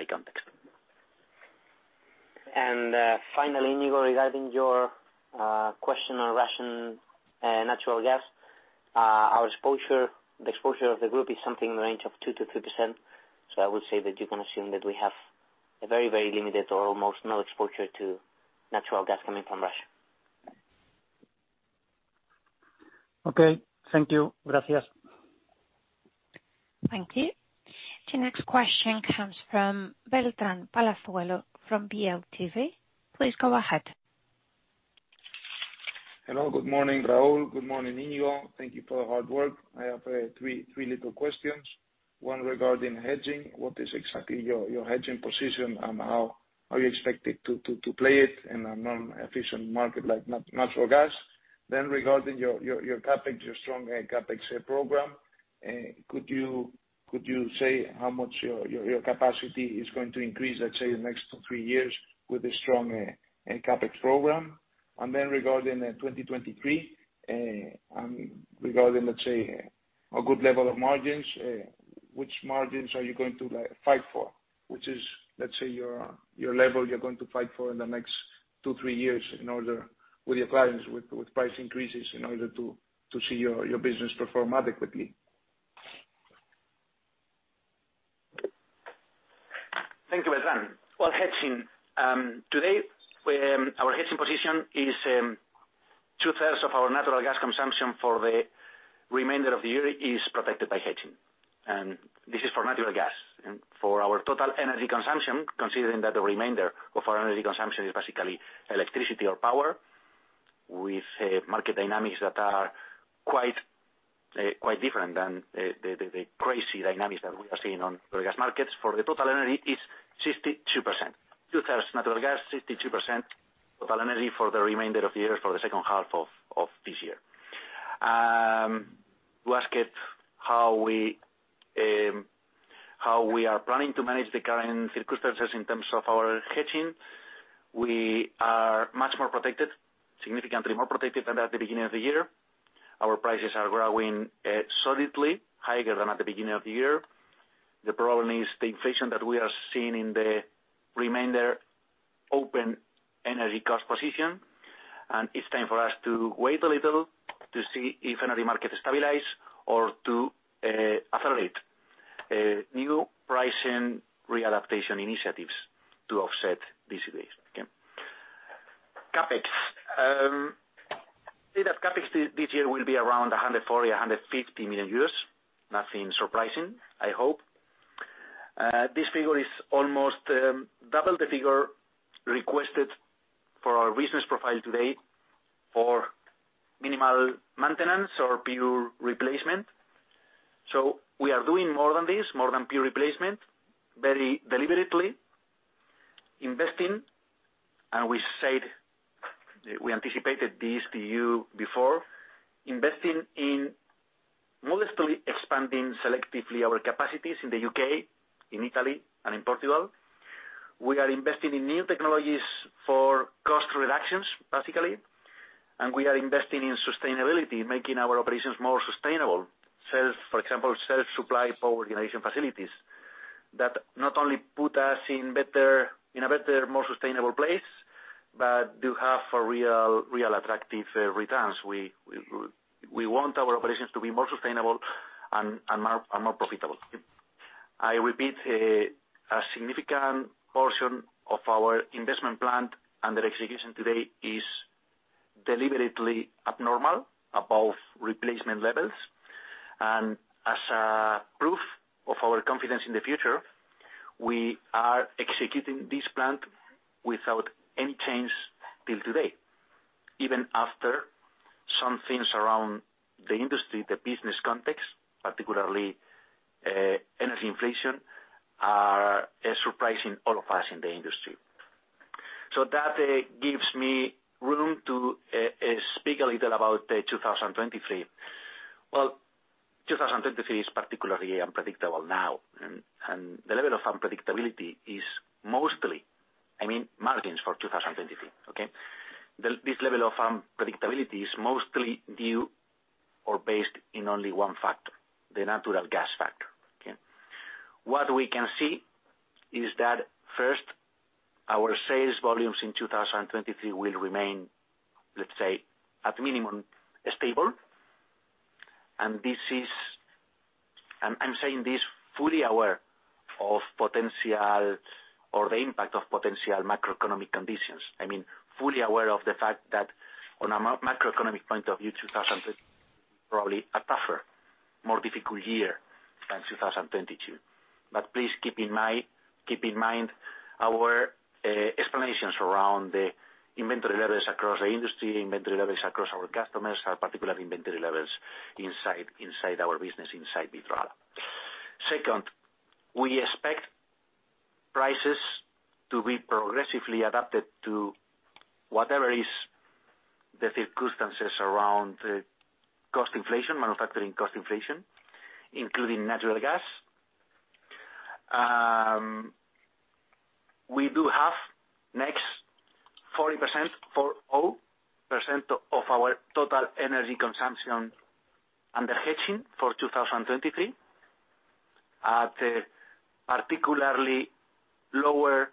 context. Finally, Iñigo, regarding your question on Russian natural gas. Our exposure, the exposure of the group is something in the range of 2%-2%, so I would say that you can assume that we have a very, very limited or almost no exposure to natural gas coming from Russia. Okay. Thank you. Gracias. Thank you. The next question comes from Beltrán Palazuelo from Bestinver. Please go ahead. Hello, good morning, Raúl. Good morning, Iñigo. Thank you for the hard work. I have three little questions. One regarding hedging. What is exactly your hedging position, and how are you expected to play it in a non-efficient market like natural gas? Regarding your CapEx, your strong CapEx program. Could you say how much your capacity is going to increase, let's say, in the next two to three years with a strong CapEx program? Regarding 2023 and regarding, let's say, a good level of margins, which margins are you going to, like, fight for? Which is, let's say, your level you're going to fight for in the next two, three years in order with your clients with price increases in order to see your business perform adequately? Thank you, Beltrán. Well, hedging. Today, we, our hedging position is 2/3 of our natural gas consumption for the remainder of the year is protected by hedging. This is for natural gas. For our total energy consumption, considering that the remainder of our energy consumption is basically electricity or power with market dynamics that are quite different than the crazy dynamics that we are seeing on the gas markets. For the total energy, it's 62%. Two-thirds natural gas, 62% total energy for the remainder of the year, for the second half of this year. You asked how we are planning to manage the current circumstances in terms of our hedging. We are much more protected, significantly more protected than at the beginning of the year. Our prices are growing solidly, higher than at the beginning of the year. The problem is the inflation that we are seeing in the remainder open energy cost position. It's time for us to wait a little to see if energy market stabilize or to accelerate new pricing readaptation initiatives to offset this wave, okay? CapEx. Our CapEx this year will be around 140 million-150 million euros. Nothing surprising, I hope. This figure is almost double the figure requested for our business profile today for minimal maintenance or pure replacement. We are doing more than this, more than pure replacement, very deliberately investing. We said, we anticipated this to you before, investing in modestly expanding selectively our capacities in the U.K., in Italy, and in Portugal. We are investing in new technologies for cost reductions, basically. We are investing in sustainability, making our operations more sustainable. Say, for example, self-supply power generation facilities, that not only put us in a better, more sustainable place, but do have real attractive returns. We want our operations to be more sustainable and more profitable. I repeat, a significant portion of our investment plan under execution today is deliberately abnormal above replacement levels. As a proof of our confidence in the future, we are executing this plan without any change till today, even after some things around the industry, the business context, particularly, energy inflation, is surprising all of us in the industry. So that gives me room to speak a little about 2023. Well, 2023 is particularly unpredictable now. The level of unpredictability is mostly, I mean, margins for 2023, okay? This level of unpredictability is mostly due to or based on only one factor, the natural gas factor, okay? What we can see is that first, our sales volumes in 2023 will remain, let's say, at minimum stable. This is. I'm saying this fully aware of potential or the impact of potential macroeconomic conditions. I mean, fully aware of the fact that on a macroeconomic point of view, 2023, probably a tougher, more difficult year than 2022. Please keep in mind our explanations around the inventory levels across the industry, inventory levels across our customers, our particular inventory levels inside our business, inside Vidrala. Second, we expect prices to be progressively adapted to whatever is the circumstances around cost inflation, manufacturing cost inflation, including natural gas. We do have 40%, 40% of our total energy consumption under hedging for 2023 at a particularly lower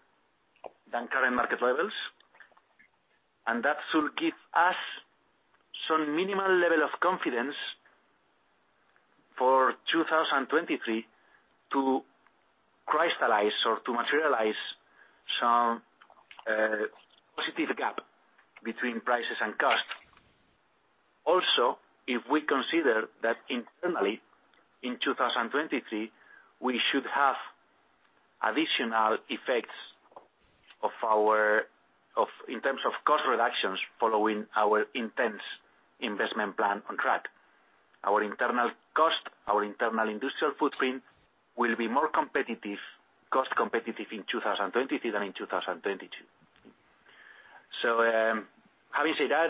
than current market levels. That should give us some minimal level of confidence for 2023 to crystallize or to materialize some positive gap between prices and costs. If we consider that internally, in 2023, we should have additional effects of our in terms of cost reductions following our intense investment plan on track. Our internal cost, our internal industrial footprint will be more competitive, cost competitive in 2023 than in 2022. Having said that,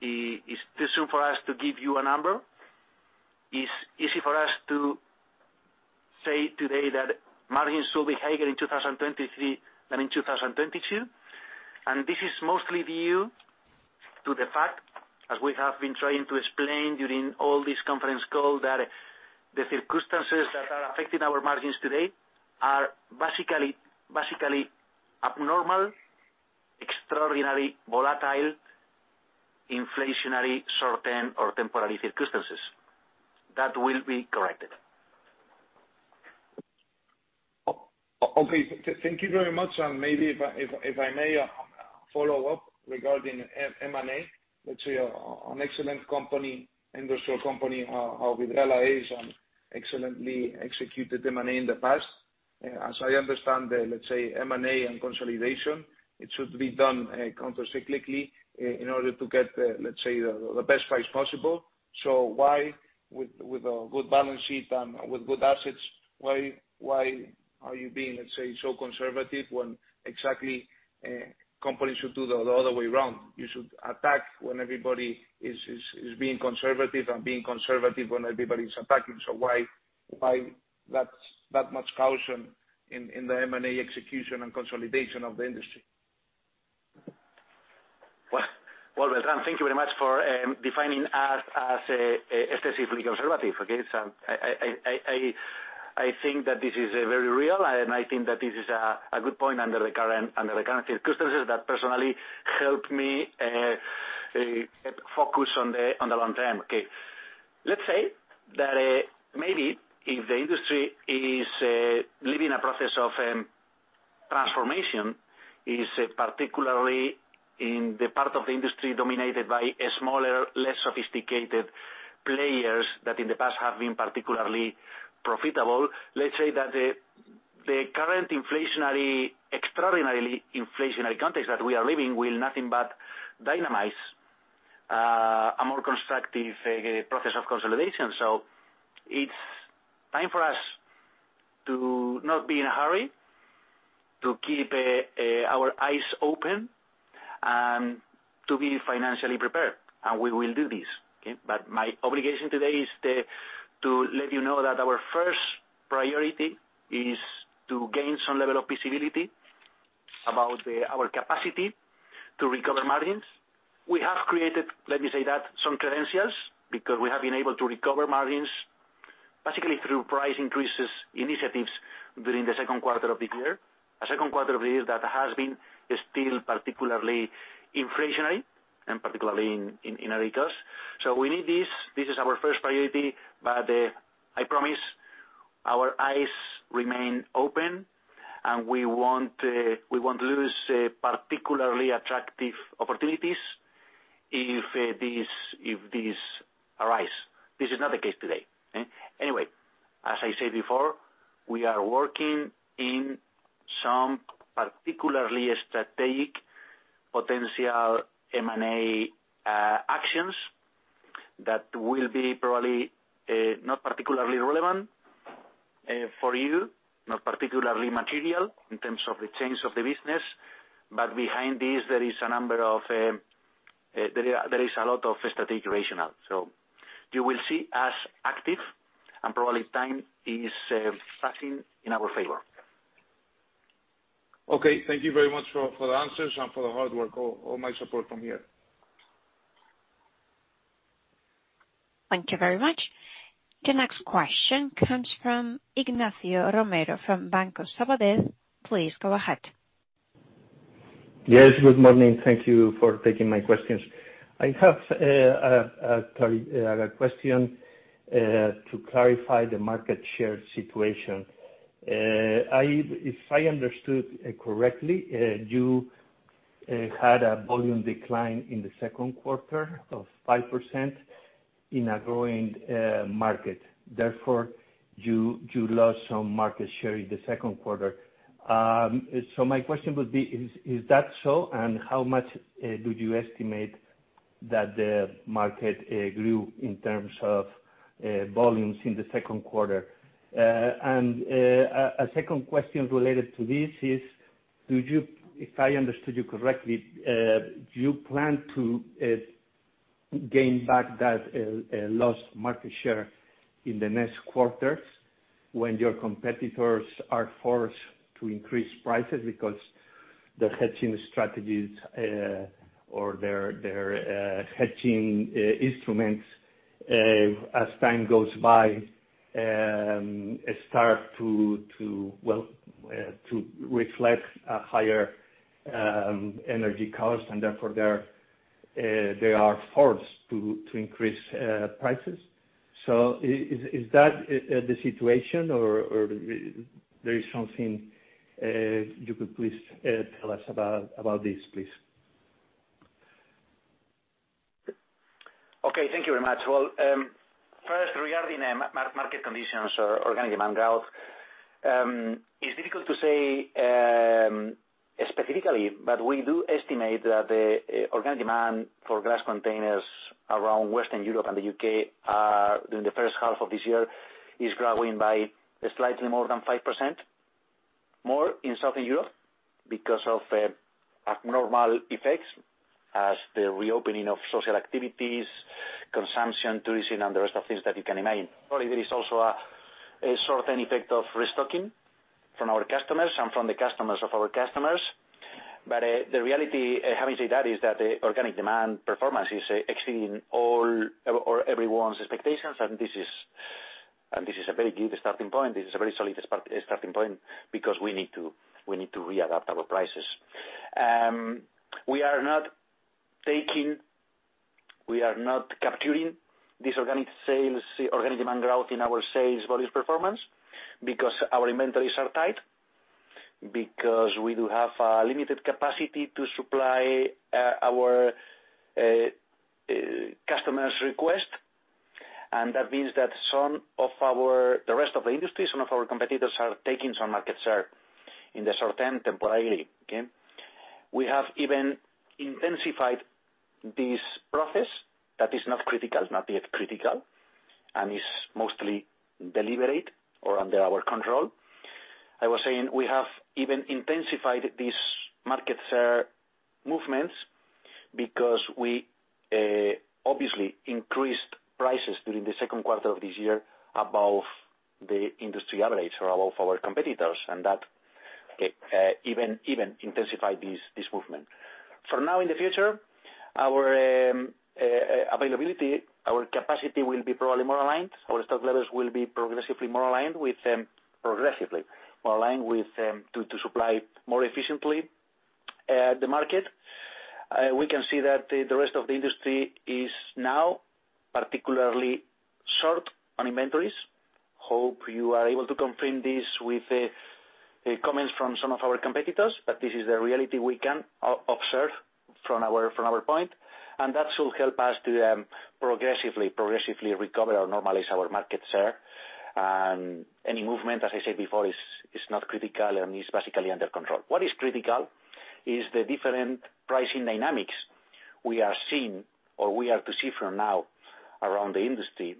it is too soon for us to give you a number. It's easy for us to say today that margins will be higher in 2023 than in 2022, and this is mostly due to the fact, as we have been trying to explain during all this conference call, that the circumstances that are affecting our margins today are basically abnormal, extraordinary volatile, inflationary, certain or temporary circumstances. That will be corrected. Okay. Thank you very much. Maybe if I may follow up regarding M&A. Let's say you're an excellent company, industrial company, with allies and excellently executed M&A in the past. As I understand, let's say, M&A and consolidation, it should be done countercyclically in order to get the, let's say, best price possible. Why with a good balance sheet and with good assets are you being, let's say, so conservative when exactly companies should do the other way around? You should attack when everybody is being conservative and being conservative when everybody is attacking. Why that much caution in the M&A execution and consolidation of the industry? Well, well done. Thank you very much for defining us as excessively conservative. Okay. I think that this is a very real and good point under the current circumstances that personally help me focus on the long term. Okay. Let's say that maybe if the industry is living a process of transformation is particularly in the part of the industry dominated by a smaller, less sophisticated players that in the past have been particularly profitable. Let's say that the current inflationary, extraordinarily inflationary context that we are living will do nothing but dynamize a more constructive process of consolidation. It's time for us to not be in a hurry, to keep our eyes open, to be financially prepared, and we will do this, okay. My obligation today is to let you know that our first priority is to gain some level of visibility about our capacity to recover margins. We have created, let me say that, some credentials, because we have been able to recover margins, basically through price increases initiatives during the second quarter of the year. A second quarter of the year that has been still particularly inflationary and particularly in energy. We need this. This is our first priority, but I promise our eyes remain open, and we won't lose particularly attractive opportunities if these arise. This is not the case today, okay. Anyway, as I said before, we are working in some particularly strategic potential M&A actions that will be probably not particularly relevant for you, not particularly material in terms of the change of the business. Behind this, there is a lot of strategic rationale. You will see us active and probably time is passing in our favor. Okay, thank you very much for the answers and for the hard work. All my support from here. Thank you very much. The next question comes from Ignacio Romero from Banco Sabadell. Please go ahead. Yes, good morning. Thank you for taking my questions. I have a question to clarify the market share situation. If I understood correctly, you had a volume decline in the second quarter of 5% in a growing market. Therefore, you lost some market share in the second quarter. My question would be, is that so? How much would you estimate that the market grew in terms of volumes in the second quarter? A second question related to this is, do you... If I understood you correctly, do you plan to gain back that lost market share in the next quarters when your competitors are forced to increase prices because their hedging strategies or their hedging instruments, as time goes by, well, start to reflect a higher energy cost, and therefore they are forced to increase prices. Is that the situation or there is something you could please tell us about this, please? Okay, thank you very much. Well, first regarding the market conditions or organic demand growth, it's difficult to say, specifically, but we do estimate that the organic demand for glass containers around Western Europe and the U.K., during the first half of this year is growing by slightly more than 5%. More in Southern Europe because of abnormal effects as the reopening of social activities, consumption, tourism, and the rest of things that you can imagine. Probably there is also a certain effect of restocking from our customers and from the customers of our customers. The reality having said that is that the organic demand performance is exceeding all or everyone's expectations. This is a very good starting point. This is a very solid starting point because we need to readapt our prices. We are not capturing these organic sales, organic demand growth in our sales volume performance because our inventories are tight, because we do have a limited capacity to supply our customers' request. That means that the rest of the industry, some of our competitors are taking some market share in the short term temporarily, okay. We have even intensified this process that is not yet critical, and is mostly deliberate or under our control. I was saying we have even intensified these market share movements. Because we obviously increased prices during the second quarter of this year above the industry average or above our competitors, and that even intensified this movement. For now in the future, our availability, our capacity will be probably more aligned. Our stock levels will be progressively more aligned with to supply more efficiently the market. We can see that the rest of the industry is now particularly short on inventories. Hope you are able to confirm this with comments from some of our competitors, but this is the reality we can observe from our point, and that will help us to progressively recover or normalize our market share. Any movement, as I said before, is not critical and is basically under control. What is critical is the different pricing dynamics we are seeing or we are to see from now around the industry,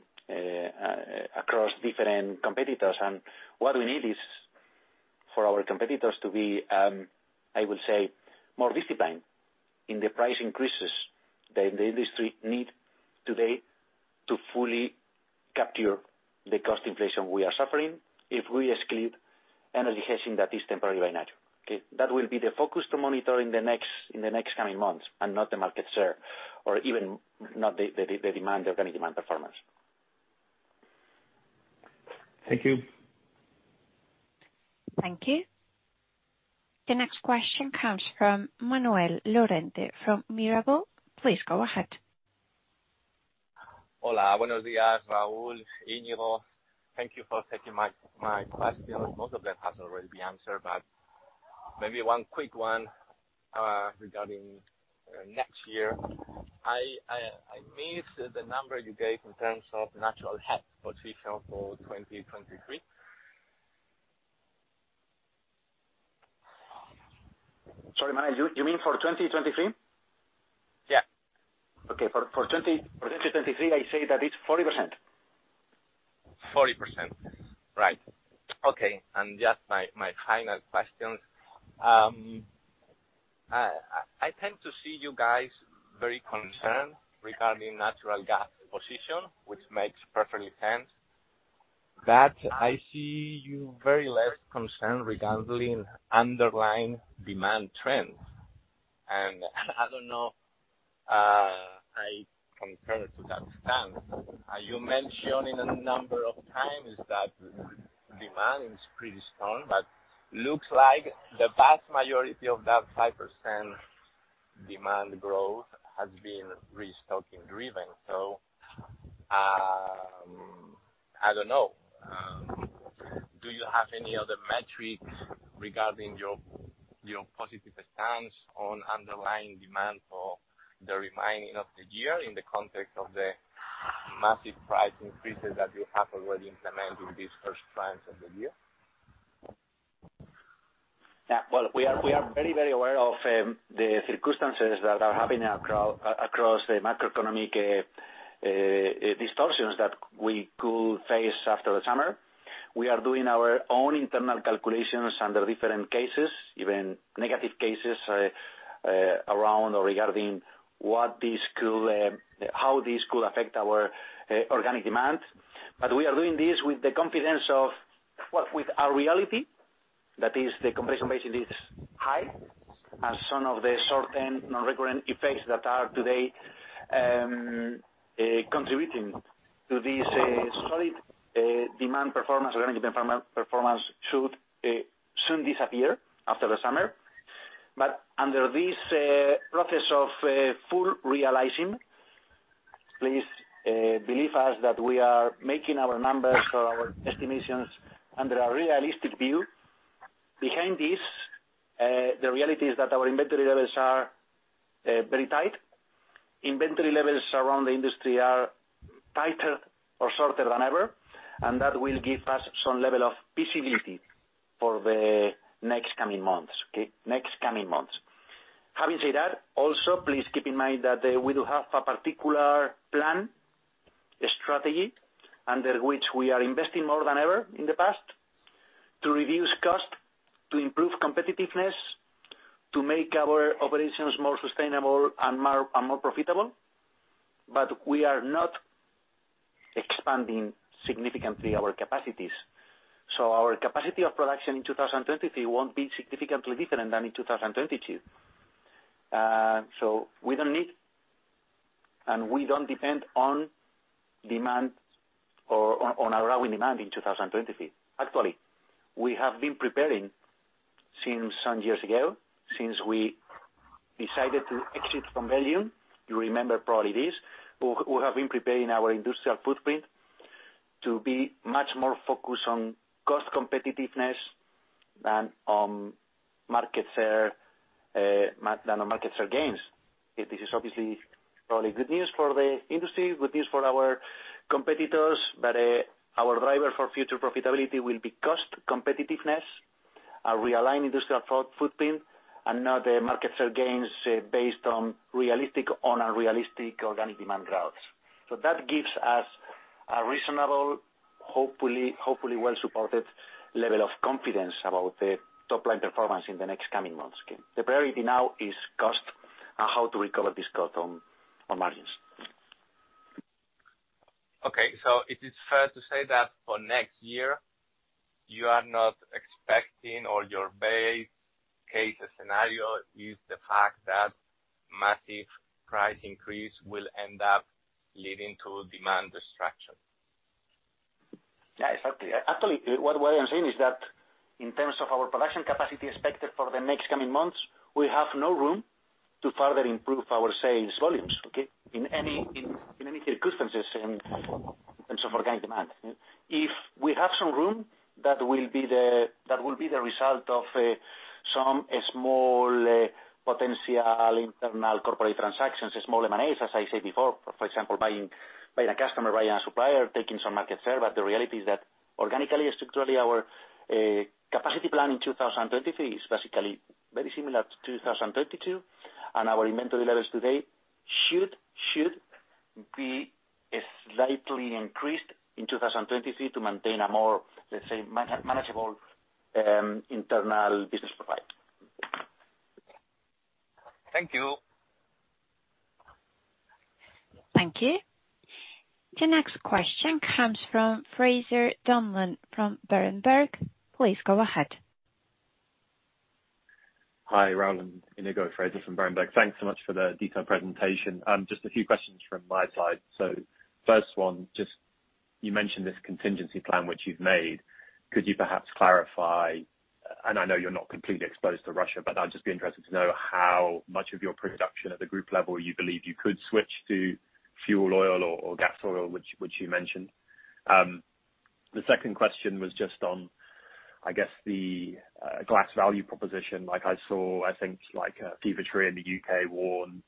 across different competitors. What we need is for our competitors to be, I will say, more disciplined in the price increases that the industry need today to fully capture the cost inflation we are suffering if we exclude energy hedging that is temporary by nature, okay? That will be the focus to monitor in the next coming months and not the market share or even not the demand, organic demand performance. Thank you. Thank you. The next question comes from Manuel Lorente from Mirabaud. Please go ahead. Hola. Buenos días, Raúl, Iñigo. Thank you for taking my questions. Most of them has already been answered, but maybe one quick one, regarding next year. I missed the number you gave in terms of natural hedge position for 2023. Sorry, Manuel, you mean for 2023? Yeah. Okay. For 2023, I say that it's 40%. 40%. Right. Okay. Just my final question. I tend to see you guys very concerned regarding natural gas position, which makes perfect sense. But I see you very less concerned regarding underlying demand trends. I don't know. I compare to that stance. You mentioned it a number of times that demand is pretty strong, but looks like the vast majority of that 5% demand growth has been restocking driven. I don't know. Do you have any other metrics regarding your positive stance on underlying demand for the remaining of the year in the context of the massive price increases that you have already implemented these first months of the year? Yeah. Well, we are very aware of the circumstances that are happening across the macroeconomic distortions that we could face after the summer. We are doing our own internal calculations under different cases, even negative cases, around or regarding how this could affect our organic demand. We are doing this with the confidence, what with our reality, that is the comparison base is high and some of the short-term nonrecurrent effects that are today contributing to this solid organic demand performance should soon disappear after the summer. Under this process of fully realizing, please believe us that we are making our numbers or our estimations under a realistic view. Behind this, the reality is that our inventory levels are very tight. Inventory levels around the industry are tighter or shorter than ever, and that will give us some level of visibility for the next coming months, okay? Having said that, also, please keep in mind that we do have a particular plan, a strategy under which we are investing more than ever in the past to reduce cost, to improve competitiveness, to make our operations more sustainable and more profitable. We are not expanding significantly our capacities. Our capacity of production in 2023 won't be significantly different than in 2022. We don't need, and we don't depend on demand or on our growing demand in 2023. Actually, we have been preparing since some years ago, since we decided to exit from [Valdehuncar]. You remember probably this. We have been preparing our industrial footprint to be much more focused on cost competitiveness than on market share than on market share gains. This is obviously probably good news for the industry, good news for our competitors. Our driver for future profitability will be cost competitiveness, a realigned industrial footprint, and not the market share gains based on a realistic organic demand growth. That gives us a reasonable, hopefully well-supported level of confidence about the top line performance in the next coming months. Okay. The priority now is cost and how to recover this cost on margins. Is it fair to say that for next year, you are not expecting or your base case scenario is the fact that massive price increase will end up leading to demand destruction? Yeah, exactly. Actually, what I'm saying is that in terms of our production capacity expected for the next coming months, we have no room to further improve our sales volumes, okay? In any circumstances in terms of organic demand. If we have some room, that will be the result of some small potential internal corporate transactions, a small M&As, as I said before, for example, buying a customer, buying a supplier, taking some market share. The reality is that organically and structurally, our capacity plan in 2023 is basically very similar to 2022, and our inventory levels today should be slightly increased in 2023 to maintain a more, let's say, manageable internal business profile. Thank you. Thank you. The next question comes from Fraser Donlon from Berenberg. Please go ahead. Hi, Raúl and Iñigo. Fraser from Berenberg. Thanks so much for the detailed presentation. Just a few questions from my side. First one, just you mentioned this contingency plan which you've made. Could you perhaps clarify, and I know you're not completely exposed to Russia, but I'd just be interested to know how much of your production at the group level you believe you could switch to fuel oil or gas oil, which you mentioned. The second question was just on, I guess, the glass Valdehuncar proposition. Like I saw, I think, like, Fever-Tree in the U.K.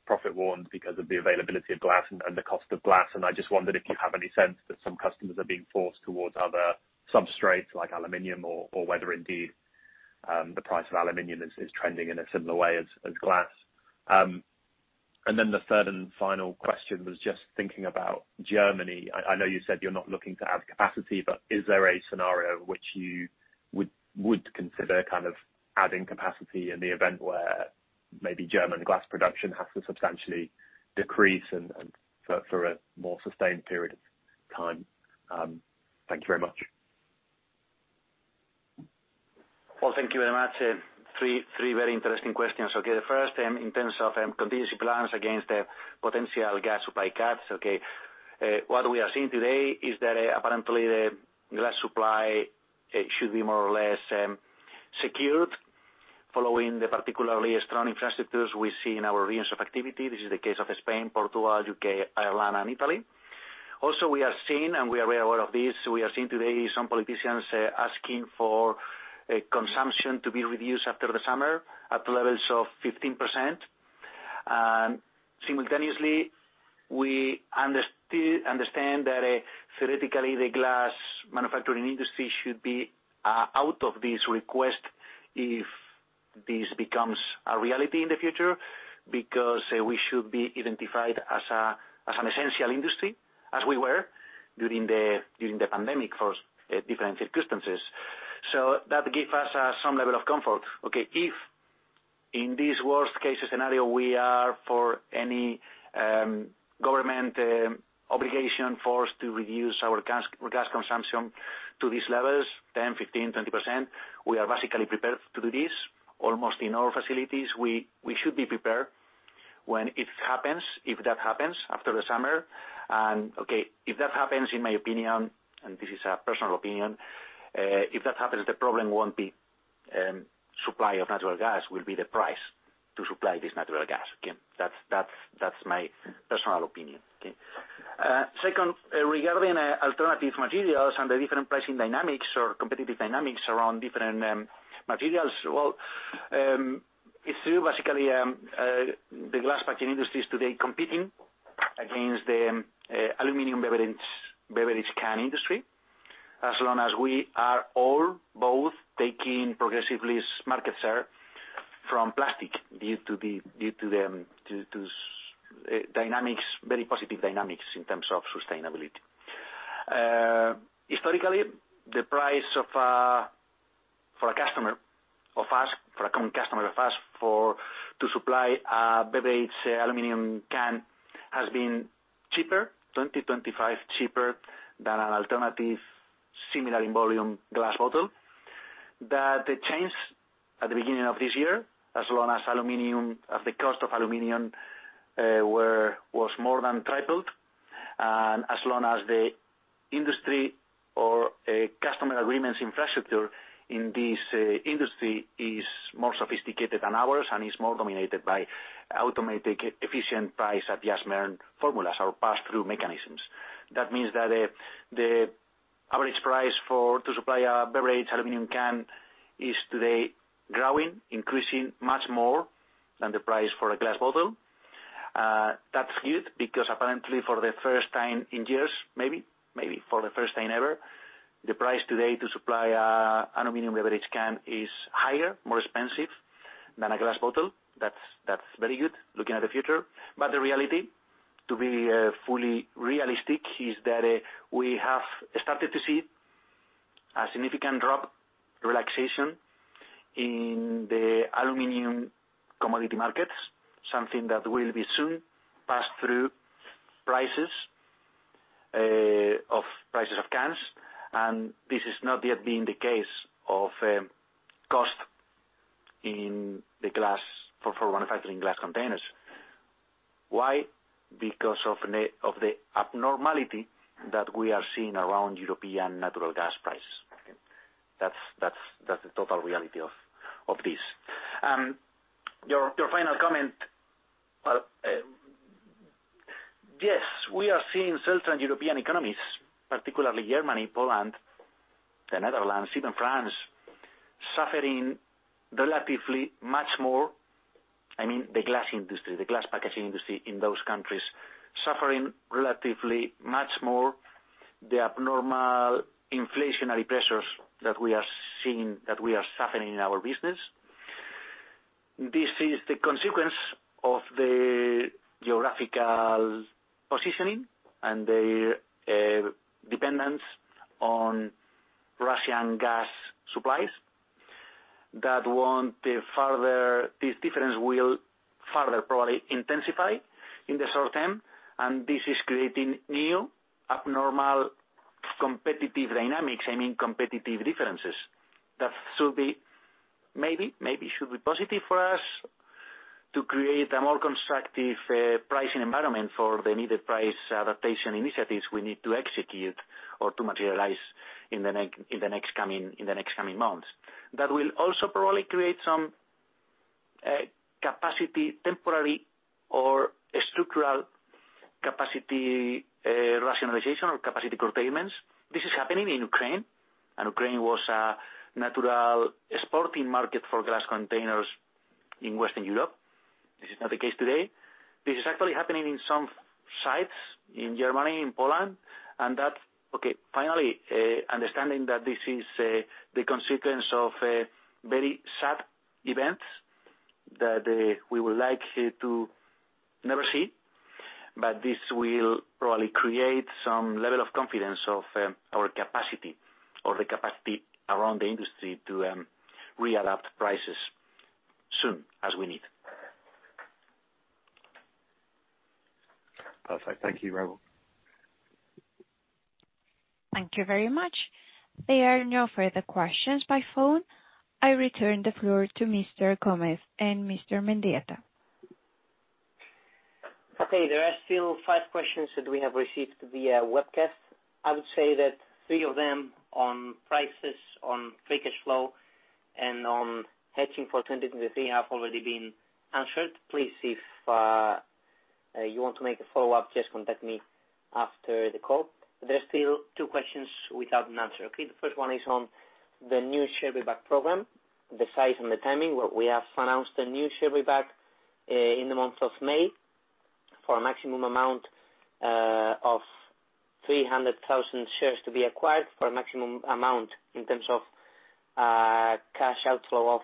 profit warn because of the availability of glass and the cost of glass. I just wondered if you have any sense that some customers are being forced towards other substrates like aluminum or whether indeed the price of aluminum is trending in a similar way as glass. Then the third and final question was just thinking about Germany. I know you said you're not looking to add capacity, but is there a scenario in which you would consider kind of adding capacity in the event where maybe German glass production has to substantially decrease and for a more sustained period of time? Thank you very much. Well, thank you very much. Three very interesting questions. The first, in terms of contingency plans against the potential gas supply caps. What we are seeing today is that apparently the glass supply should be more or less secured following the particularly strong infrastructures we see in our regions of activity. This is the case of Spain, Portugal, U.K., Ireland, and Italy. Also, we are aware of this, we are seeing today some politicians asking for consumption to be reduced after the summer at levels of 15%. Simultaneously, we understand that, theoretically, the glass manufacturing industry should be out of this request if this becomes a reality in the future, because we should be identified as an essential industry as we were during the pandemic for different circumstances. That give us some level of comfort. Okay. If in this worst case scenario, we are for any government obligation forced to reduce our gas consumption to these levels, 10%, 15%, 20%, we are basically prepared to do this. Almost in all facilities, we should be prepared when it happens, if that happens after the summer. Okay, if that happens, in my opinion, and this is a personal opinion, if that happens, the problem won't be supply of natural gas, it will be the price to supply this natural gas. Again, that's my personal opinion. Okay. Second, regarding alternative materials and the different pricing dynamics or competitive dynamics around different materials. Well, it's true, basically, the glass packaging industry is today competing against the aluminum beverage can industry, as long as we are all both taking progressively market share from plastic due to very positive dynamics in terms of sustainability. Historically, the price for a current customer of us to supply a beverage aluminum can has been 20%-25% cheaper than an alternative, similar in volume glass bottle. That changed at the beginning of this year, as the cost of aluminum was more than tripled, and the customer agreements infrastructure in this industry is more sophisticated than ours and is more dominated by automatic, efficient price adjustment formulas or pass-through mechanisms. That means that the average price to supply an aluminum beverage can is today growing, increasing much more than the price for a glass bottle. That's good because apparently for the first time in years, maybe for the first time ever, the price today to supply an aluminum beverage can is higher, more expensive than a glass bottle. That's very good looking at the future. The reality, to be fully realistic, is that we have started to see a significant drop, relaxation in the aluminum commodity markets, something that will be soon passed through prices of prices of cans. This has not yet been the case of costs in the glass for manufacturing glass containers. Why? Because of the abnormality that we are seeing around European natural gas prices. That's the total reality of this. Your final comment. Well, yes, we are seeing certain European economies, particularly Germany, Poland, the Netherlands, even France, suffering relatively much more. I mean, the glass industry, the glass packaging industry in those countries suffering relatively much more the abnormal inflationary pressures that we are seeing, that we are suffering in our business. This is the consequence of the geographical positioning and the dependence on Russian gas supplies that won't. The further this difference will probably intensify in the short term, and this is creating new abnormal competitive dynamics, I mean, competitive differences. That should be maybe should be positive for us to create a more constructive pricing environment for the needed price adaptation initiatives we need to execute or to materialize in the next coming months. That will also probably create some capacity, temporary or structural capacity rationalization or capacity curtailments. This is happening in Ukraine, and Ukraine was a natural exporting market for glass containers in Western Europe. This is not the case today. This is actually happening in some sites in Germany, in Poland. That's okay. Finally, understanding that this is the consequence of a very sad event that we would like to never see, but this will probably create some level of confidence of our capacity or the capacity around the industry to re-adapt prices soon, as we need. Perfect. Thank you, Raúl. Thank you very much. There are no further questions by phone. I return the floor to Mr. Raúl Gómez and Mr. Iñigo Mendieta. Okay, there are still five questions that we have received via webcast. I would say that three of them on prices, on free cash flow, and on hedging for 2023 have already been answered. Please, if you want to make a follow-up, just contact me after the call. There are still two questions without an answer. Okay, the first one is on the new share buyback program, the size and the timing. Well, we have announced a new share buyback in the month of May for a maximum amount of 300,000 shares to be acquired for a maximum amount in terms of cash outflow of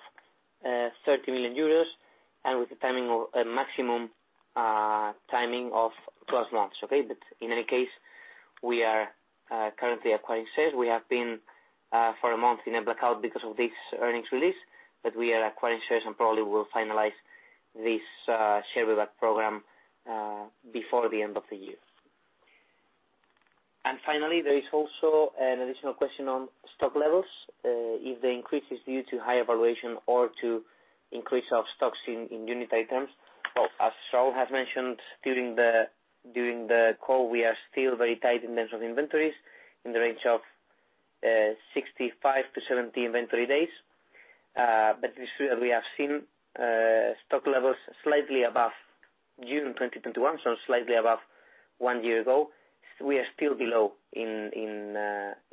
30 million euros and with a maximum timing of 12 months. Okay. In any case, we are currently acquiring shares. We have been for a month in a blackout because of this earnings release, but we are acquiring shares and probably will finalize this share buyback program before the end of the year. Finally, there is also an additional question on stock levels, if the increase is due to higher valuation or to increase of stocks in unit items. Well, as Raúl has mentioned during the call, we are still very tight in terms of inventories in the range of 65-70 inventory days. But it's true that we have seen stock levels slightly above June 2021, so slightly above one year ago. We are still below in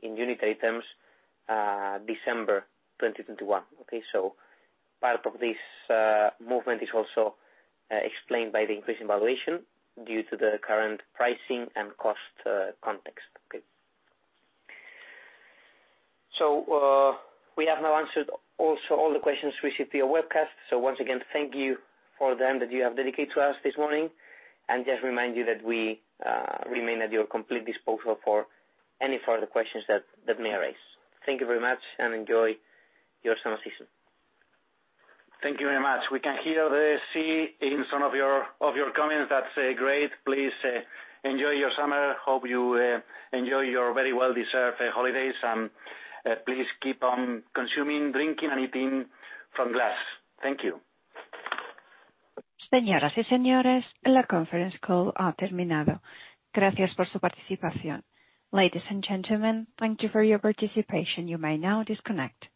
unit items December 2021. Okay. Part of this movement is also explained by the increase in valuation due to the current pricing and cost context. Okay. We have now answered also all the questions received via webcast. Once again, thank you for the time that you have dedicated to us this morning, and just remind you that we remain at your complete disposal for any further questions that may arise. Thank you very much, and enjoy your summer season. Thank you very much. We can hear the sea in some of your comments. That's great. Please enjoy your summer. Hope you enjoy your very well-deserved holidays, and please keep on consuming, drinking, and eating from glass. Thank you. Ladies and gentlemen, thank you for your participation. You may now disconnect.